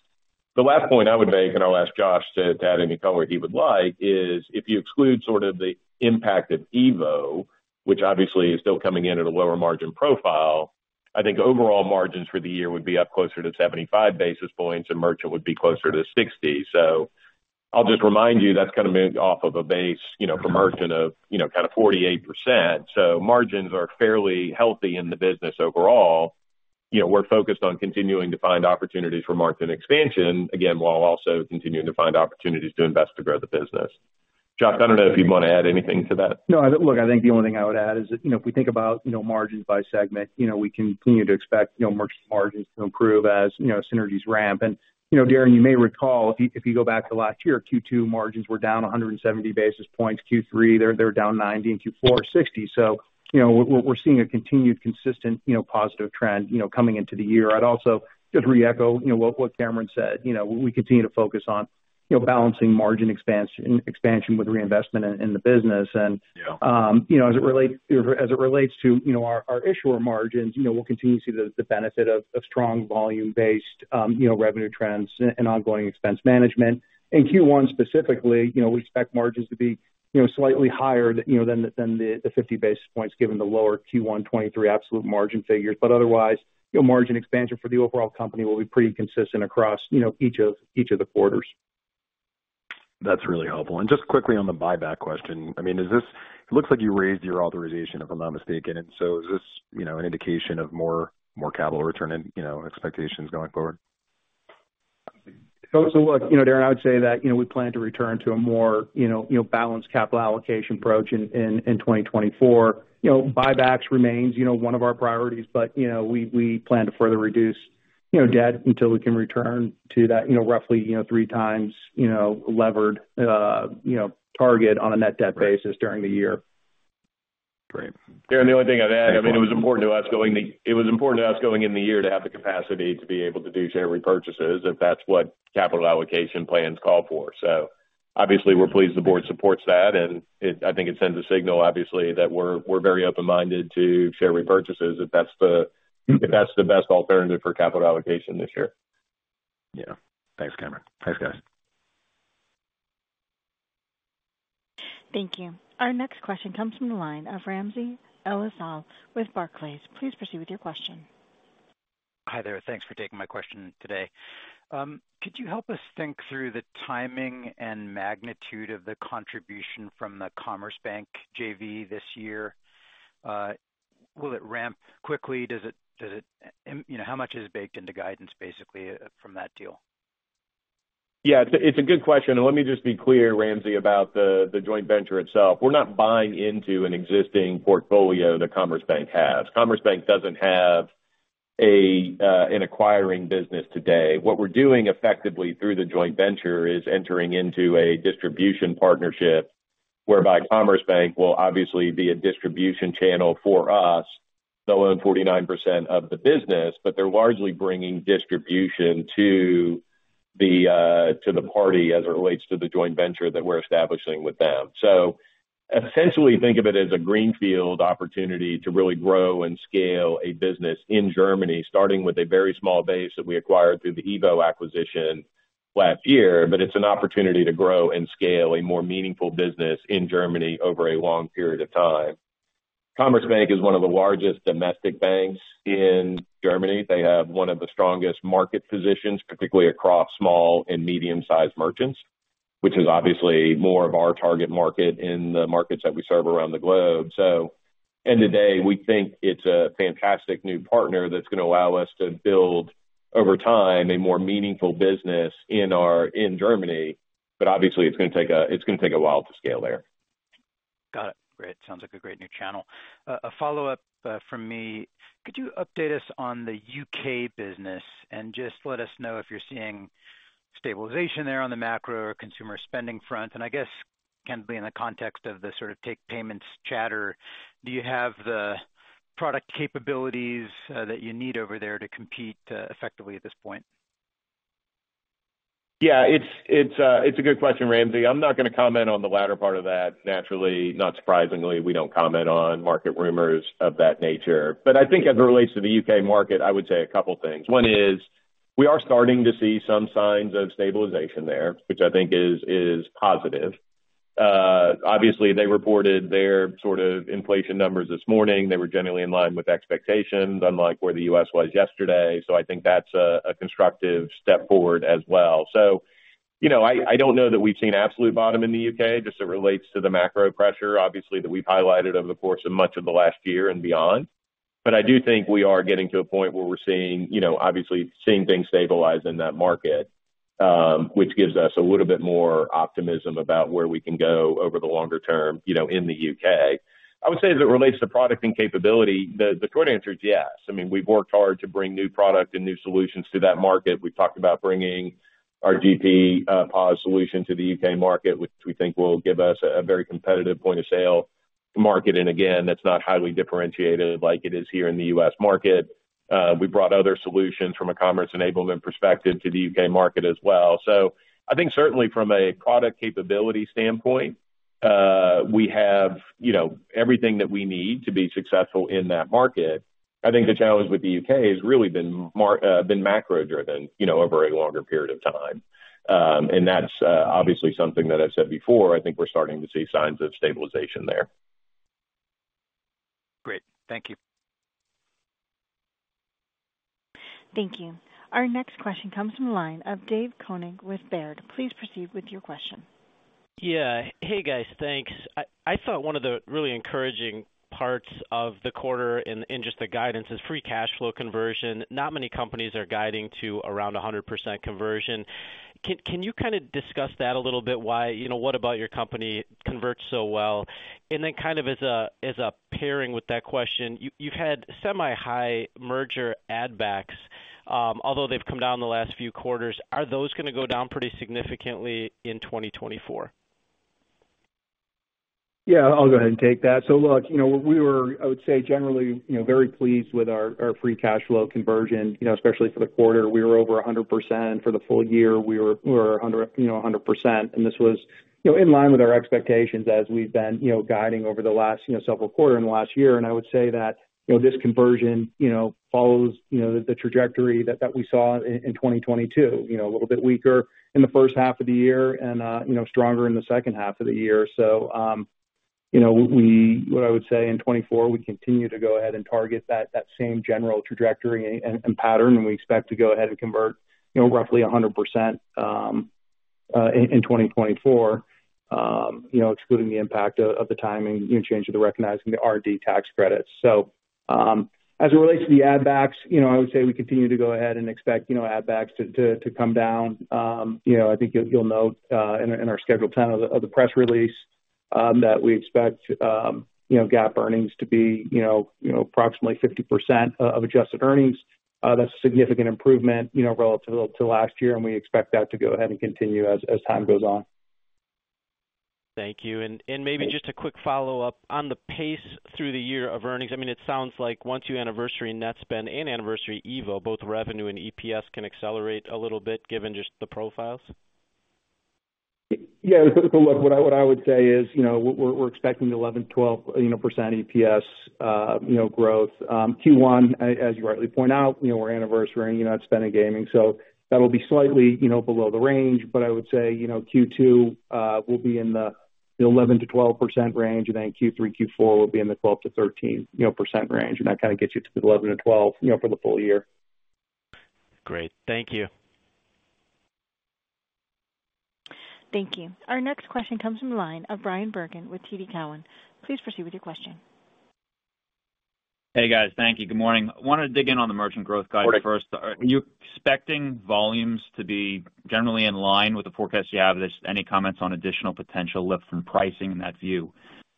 The last point I would make, and I'll ask Josh to add any color he would like, is if you exclude sort of the impact of EVO, which obviously is still coming in at a lower margin profile, I think overall margins for the year would be up closer to 75 basis points, and merchant would be closer to 60. So I'll just remind you, that's kind of off of a base for merchant of kind of 48%. So margins are fairly healthy in the business overall. We're focused on continuing to find opportunities for margin expansion, again, while also continuing to find opportunities to invest to grow the business. Josh, I don't know if you'd want to add anything to that? No. Look, I think the only thing I would add is if we think about margins by segment, we continue to expect merchant margins to improve as synergies ramp. And Darrin, you may recall, if you go back to last year, Q2 margins were down 170 basis points. Q3, they were down 90. In Q4, 60. So we're seeing a continued, consistent positive trend coming into the year. I'd also just reecho what Cameron said. We continue to focus on balancing margin expansion with reinvestment in the business. And as it relates to our issuer margins, we'll continue to see the benefit of strong volume-based revenue trends and ongoing expense management. In Q1 specifically, we expect margins to be slightly higher than the 50 basis points given the lower Q1 2023 absolute margin figures. But otherwise, margin expansion for the overall company will be pretty consistent across each of the quarters. That's really helpful. Just quickly on the buyback question, I mean, it looks like you raised your authorization, if I'm not mistaken. So is this an indication of more capital return expectations going forward? So look, Darrin, I would say that we plan to return to a more balanced capital allocation approach in 2024. Buybacks remain one of our priorities, but we plan to further reduce debt until we can return to that roughly 3x levered target on a net debt basis during the year. Great. Darrin, the only thing I'd add, I mean, it was important to us going into the year to have the capacity to be able to do share repurchases if that's what capital allocation plans call for. So obviously, we're pleased the board supports that. And I think it sends a signal, obviously, that we're very open-minded to share repurchases if that's the best alternative for capital allocation this year. Yeah. Thanks, Cameron. Thanks, guys. Thank you. Our next question comes from the line of Ramsey El-Assal with Barclays. Please proceed with your question. Hi there. Thanks for taking my question today. Could you help us think through the timing and magnitude of the contribution from the Commerzbank JV this year? Will it ramp quickly? How much is baked into guidance, basically, from that deal? Yeah. It's a good question. Let me just be clear, Ramsey, about the joint venture itself. We're not buying into an existing portfolio the Commerzbank has. Commerzbank doesn't have an acquiring business today. What we're doing effectively through the joint venture is entering into a distribution partnership whereby Commerzbank will obviously be a distribution channel for us, they'll own 49% of the business, but they're largely bringing distribution to the party as it relates to the joint venture that we're establishing with them. So essentially, think of it as a greenfield opportunity to really grow and scale a business in Germany, starting with a very small base that we acquired through the EVO acquisition last year. But it's an opportunity to grow and scale a more meaningful business in Germany over a long period of time. Commerzbank is one of the largest domestic banks in Germany. They have one of the strongest market positions, particularly across small and medium-sized merchants, which is obviously more of our target market in the markets that we serve around the globe. So end of day, we think it's a fantastic new partner that's going to allow us to build, over time, a more meaningful business in Germany. But obviously, it's going to take a while to scale there. Got it. Great. Sounds like a great new channel. A follow-up from me. Could you update us on the U.K. business and just let us know if you're seeing stabilization there on the macro or consumer spending front? And I guess, candidly, in the context of the sort of takepayments chatter, do you have the product capabilities that you need over there to compete effectively at this point? Yeah. It's a good question, Ramsey. I'm not going to comment on the latter part of that, naturally. Not surprisingly, we don't comment on market rumors of that nature. But I think as it relates to the U.K. market, I would say a couple of things. One is we are starting to see some signs of stabilization there, which I think is positive. Obviously, they reported their sort of inflation numbers this morning. They were generally in line with expectations, unlike where the U.S. was yesterday. So I think that's a constructive step forward as well. So I don't know that we've seen absolute bottom in the U.K. just as it relates to the macro pressure, obviously, that we've highlighted over the course of much of the last year and beyond. But I do think we are getting to a point where we're seeing, obviously, seeing things stabilize in that market, which gives us a little bit more optimism about where we can go over the longer term in the U.K. I would say as it relates to product and capability, the short answer is yes. I mean, we've worked hard to bring new product and new solutions to that market. We've talked about bringing our GP POS solution to the U.K. market, which we think will give us a very competitive point-of-sale market. And again, that's not highly differentiated like it is here in the U.S. market. We brought other solutions from a commerce enablement perspective to the U.K. market as well. So I think certainly from a product capability standpoint, we have everything that we need to be successful in that market. I think the challenge with the U.K. has really been macro-driven over a longer period of time. That's obviously something that I've said before. I think we're starting to see signs of stabilization there. Great. Thank you. Thank you. Our next question comes from the line of Dave Koning with Baird. Please proceed with your question. Yeah. Hey, guys. Thanks. I thought one of the really encouraging parts of the quarter and just the guidance is free cash flow conversion. Not many companies are guiding to around 100% conversion. Can you kind of discuss that a little bit? What about your company converts so well? And then kind of as a pairing with that question, you've had semi-high merger addbacks. Although they've come down the last few quarters, are those going to go down pretty significantly in 2024? Yeah. I'll go ahead and take that. So look, we were, I would say, generally very pleased with our free cash flow conversion, especially for the quarter. We were over 100%. For the full year, we were 100%. And this was in line with our expectations as we've been guiding over the last several quarters in the last year. And I would say that this conversion follows the trajectory that we saw in 2022, a little bit weaker in the first half of the year and stronger in the second half of the year. So what I would say in 2024, we continue to go ahead and target that same general trajectory and pattern. And we expect to go ahead and convert roughly 100% in 2024, excluding the impact of the timing change of the recognizing the R&D tax credits. So as it relates to the addbacks, I would say we continue to go ahead and expect addbacks to come down. I think you'll note in our Schedule 10 of the press release that we expect GAAP earnings to be approximately 50% of adjusted earnings. That's a significant improvement relative to last year. And we expect that to go ahead and continue as time goes on. Thank you. And maybe just a quick follow-up on the pace through the year of earnings. I mean, it sounds like once you anniversary Netspend and anniversary EVO, both revenue and EPS can accelerate a little bit given just the profiles. Yeah. So look, what I would say is we're expecting 11%-12% EPS growth. Q1, as you rightly point out, we're anniversary Netspend and gaming. So that'll be slightly below the range. But I would say Q2 will be in the 11%-12% range. And then Q3, Q4 will be in the 12%-13% range. And that kind of gets you to the 11%-12% for the full year. Great. Thank you. Thank you. Our next question comes from the line of Bryan Bergin with TD Cowen. Please proceed with your question. Hey, guys. Thank you. Good morning. I wanted to dig in on the merchant growth guide first. Are you expecting volumes to be generally in line with the forecast you have? Any comments on additional potential lift from pricing in that view?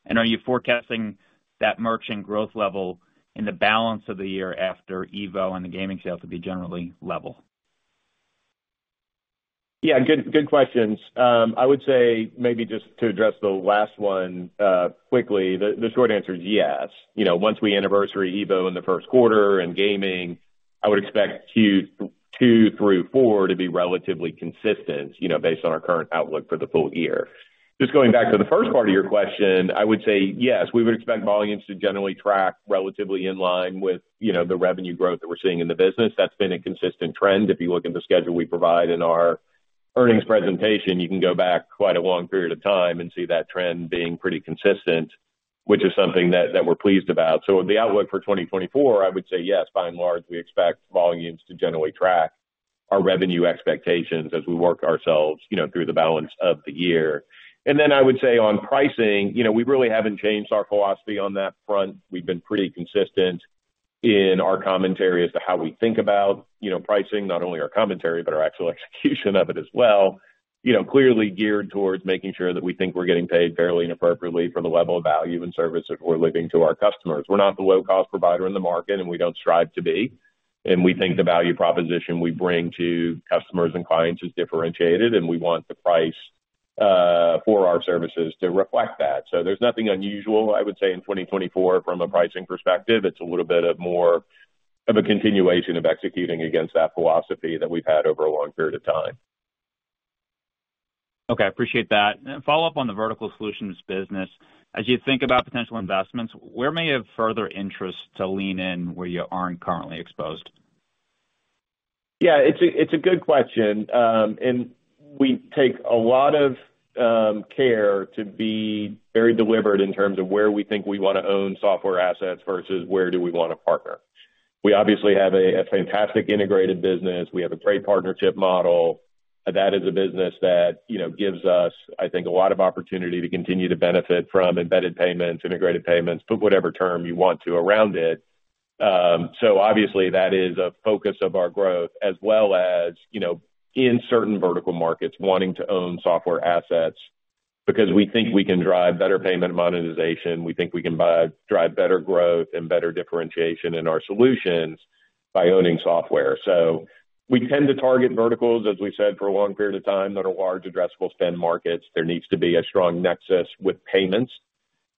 And are you forecasting that merchant growth level in the balance of the year after EVO and the gaming sale to be generally level? Yeah. Good questions. I would say maybe just to address the last one quickly, the short answer is yes. Once we anniversary EVO in the first quarter and gaming, I would expect Q2 through Q4 to be relatively consistent based on our current outlook for the full year. Just going back to the first part of your question, I would say yes. We would expect volumes to generally track relatively in line with the revenue growth that we're seeing in the business. That's been a consistent trend. If you look at the schedule we provide in our earnings presentation, you can go back quite a long period of time and see that trend being pretty consistent, which is something that we're pleased about. So the outlook for 2024, I would say yes. By and large, we expect volumes to generally track our revenue expectations as we work ourselves through the balance of the year. And then I would say on pricing, we really haven't changed our philosophy on that front. We've been pretty consistent in our commentary as to how we think about pricing, not only our commentary, but our actual execution of it as well, clearly geared towards making sure that we think we're getting paid fairly and appropriately for the level of value and service that we're living to our customers. We're not the low-cost provider in the market, and we don't strive to be. And we think the value proposition we bring to customers and clients is differentiated. And we want the price for our services to reflect that. So there's nothing unusual, I would say, in 2024 from a pricing perspective. It's a little bit more of a continuation of executing against that philosophy that we've had over a long period of time. Okay. I appreciate that. Follow-up on the vertical solutions business. As you think about potential investments, where you may have further interest to lean in where you aren't currently exposed? Yeah. It's a good question. We take a lot of care to be very deliberate in terms of where we think we want to own software assets versus where do we want to partner. We obviously have a fantastic integrated business. We have a great partnership model. That is a business that gives us, I think, a lot of opportunity to continue to benefit from embedded payments, integrated payments, put whatever term you want to around it. Obviously, that is a focus of our growth as well as, in certain vertical markets, wanting to own software assets because we think we can drive better payment monetization. We think we can drive better growth and better differentiation in our solutions by owning software. We tend to target verticals, as we said, for a long period of time. Those are large addressable spend markets. There needs to be a strong nexus with payments.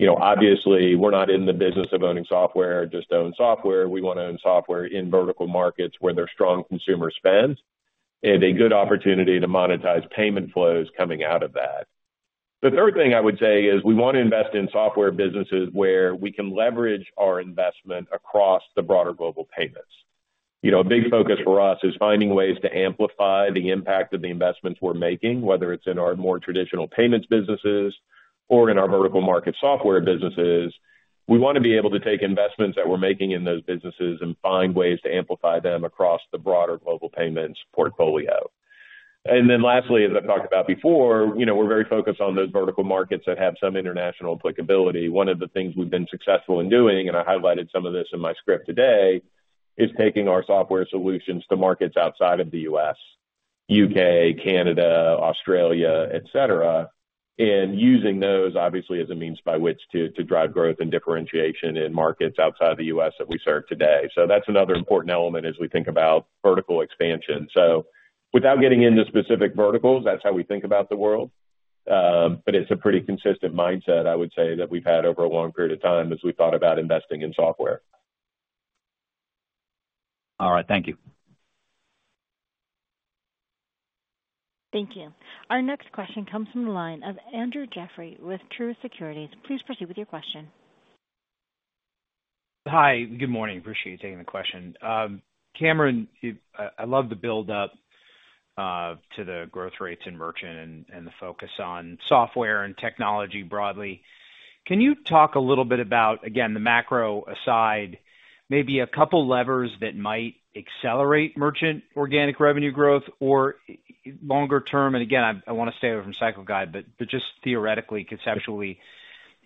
Obviously, we're not in the business of owning software. Just own software. We want to own software in vertical markets where there's strong consumer spend. It's a good opportunity to monetize payment flows coming out of that. The third thing I would say is we want to invest in software businesses where we can leverage our investment across the broader Global Payments. A big focus for us is finding ways to amplify the impact of the investments we're making, whether it's in our more traditional payments businesses or in our vertical market software businesses. We want to be able to take investments that we're making in those businesses and find ways to amplify them across the broader Global Payments portfolio. And then lastly, as I've talked about before, we're very focused on those vertical markets that have some international applicability. One of the things we've been successful in doing, and I highlighted some of this in my script today, is taking our software solutions to markets outside of the U.S., U.K., Canada, Australia, etc., and using those, obviously, as a means by which to drive growth and differentiation in markets outside of the U.S. that we serve today. So that's another important element as we think about vertical expansion. So without getting into specific verticals, that's how we think about the world. But it's a pretty consistent mindset, I would say, that we've had over a long period of time as we've thought about investing in software. All right. Thank you. Thank you. Our next question comes from the line of Andrew Jeffrey with Truist Securities. Please proceed with your question. Hi. Good morning. Appreciate you taking the question. Cameron, I love the buildup to the growth rates in merchant and the focus on software and technology broadly. Can you talk a little bit about, again, the macro aside, maybe a couple of levers that might accelerate merchant organic revenue growth or longer term? And again, I want to stay away from cycle guide, but just theoretically, conceptually,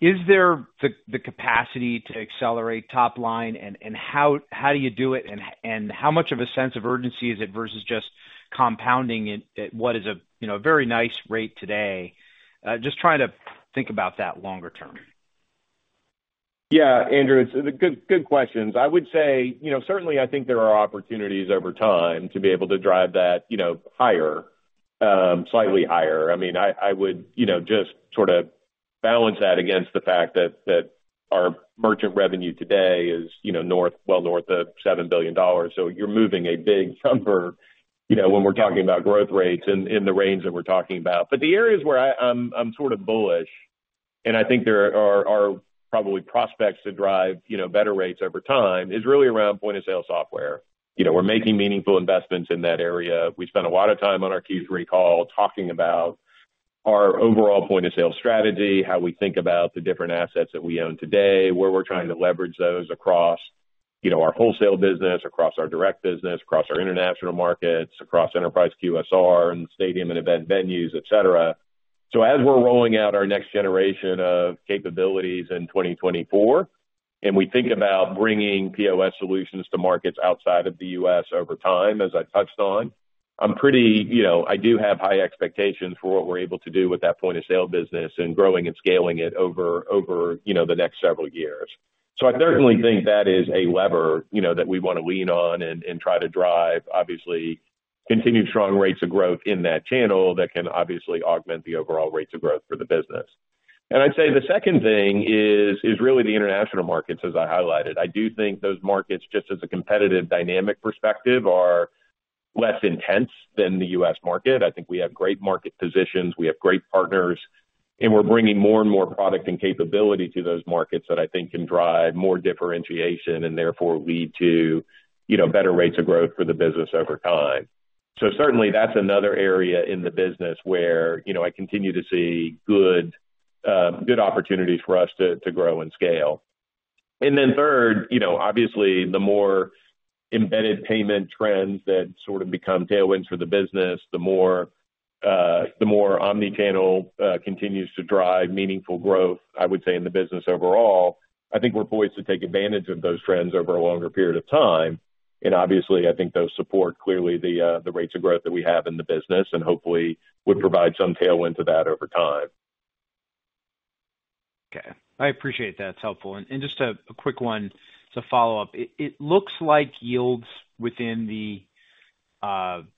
is there the capacity to accelerate top line? And how do you do it? And how much of a sense of urgency is it versus just compounding at what is a very nice rate today? Just trying to think about that longer term. Yeah, Andrew. It's good questions. I would say, certainly, I think there are opportunities over time to be able to drive that slightly higher. I mean, I would just sort of balance that against the fact that our merchant revenue today is well north of $7 billion. So you're moving a big number when we're talking about growth rates in the range that we're talking about. But the areas where I'm sort of bullish, and I think there are probably prospects to drive better rates over time, is really around point of sale software. We're making meaningful investments in that area. We spent a lot of time on our Q3 call talking about our overall point of sale strategy, how we think about the different assets that we own today, where we're trying to leverage those across our wholesale business, across our direct business, across our international markets, across enterprise QSR and stadium and event venues, etc. So as we're rolling out our next generation of capabilities in 2024 and we think about bringing POS solutions to markets outside of the U.S. over time, as I touched on, I'm pretty I do have high expectations for what we're able to do with that point of sale business and growing and scaling it over the next several years. So I certainly think that is a lever that we want to lean on and try to drive, obviously, continued strong rates of growth in that channel that can obviously augment the overall rates of growth for the business. And I'd say the second thing is really the international markets, as I highlighted. I do think those markets, just as a competitive dynamic perspective, are less intense than the U.S. market. I think we have great market positions. We have great partners. And we're bringing more and more product and capability to those markets that I think can drive more differentiation and therefore lead to better rates of growth for the business over time. So certainly, that's another area in the business where I continue to see good opportunities for us to grow and scale. Third, obviously, the more embedded payment trends that sort of become tailwinds for the business, the more omnichannel continues to drive meaningful growth, I would say, in the business overall, I think we're poised to take advantage of those trends over a longer period of time. Obviously, I think those support clearly the rates of growth that we have in the business and hopefully would provide some tailwind to that over time. Okay. I appreciate that. It's helpful. Just a quick one to follow up. It looks like yields within the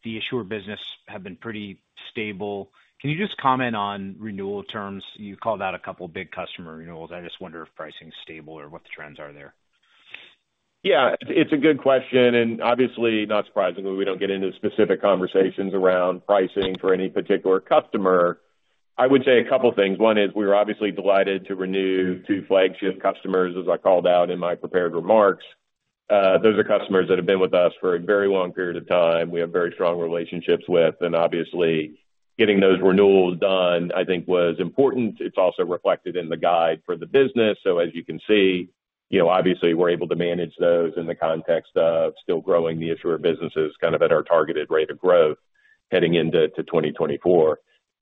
issuer business have been pretty stable. Can you just comment on renewal terms? You called out a couple of big customer renewals. I just wonder if pricing is stable or what the trends are there? Yeah. It's a good question. And obviously, not surprisingly, we don't get into specific conversations around pricing for any particular customer. I would say a couple of things. One is we were obviously delighted to renew two flagship customers, as I called out in my prepared remarks. Those are customers that have been with us for a very long period of time. We have very strong relationships with. And obviously, getting those renewals done, I think, was important. It's also reflected in the guide for the business. So as you can see, obviously, we're able to manage those in the context of still growing the issuer businesses kind of at our targeted rate of growth heading into 2024.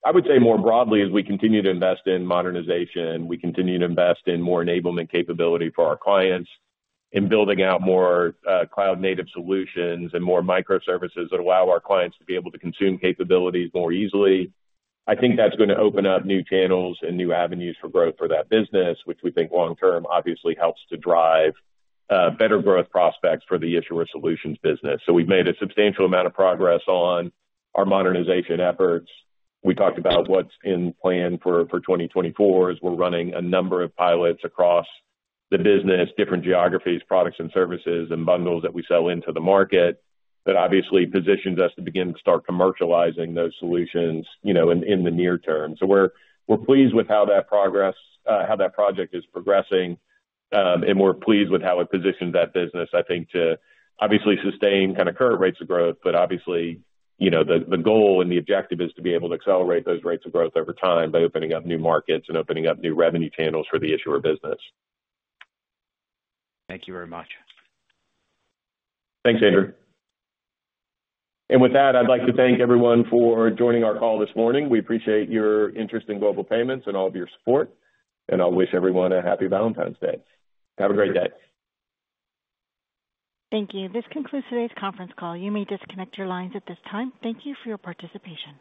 I would say more broadly, as we continue to invest in modernization, we continue to invest in more enablement capability for our clients and building out more cloud-native solutions and more microservices that allow our clients to be able to consume capabilities more easily. I think that's going to open up new channels and new avenues for growth for that business, which we think long-term, obviously, helps to drive better growth prospects for the Issuer Solutions business. We've made a substantial amount of progress on our modernization efforts. We talked about what's in plan for 2024 as we're running a number of pilots across the business, different geographies, products and services, and bundles that we sell into the market that obviously positions us to begin to start commercializing those solutions in the near term. We're pleased with how that project is progressing. We're pleased with how it positions that business, I think, to obviously sustain kind of current rates of growth. Obviously, the goal and the objective is to be able to accelerate those rates of growth over time by opening up new markets and opening up new revenue channels for the issuer business. Thank you very much. Thanks, Andrew. And with that, I'd like to thank everyone for joining our call this morning. We appreciate your interest in Global Payments and all of your support. And I'll wish everyone a happy Valentine's Day. Have a great day. Thank you. This concludes today's conference call. You may disconnect your lines at this time. Thank you for your participation.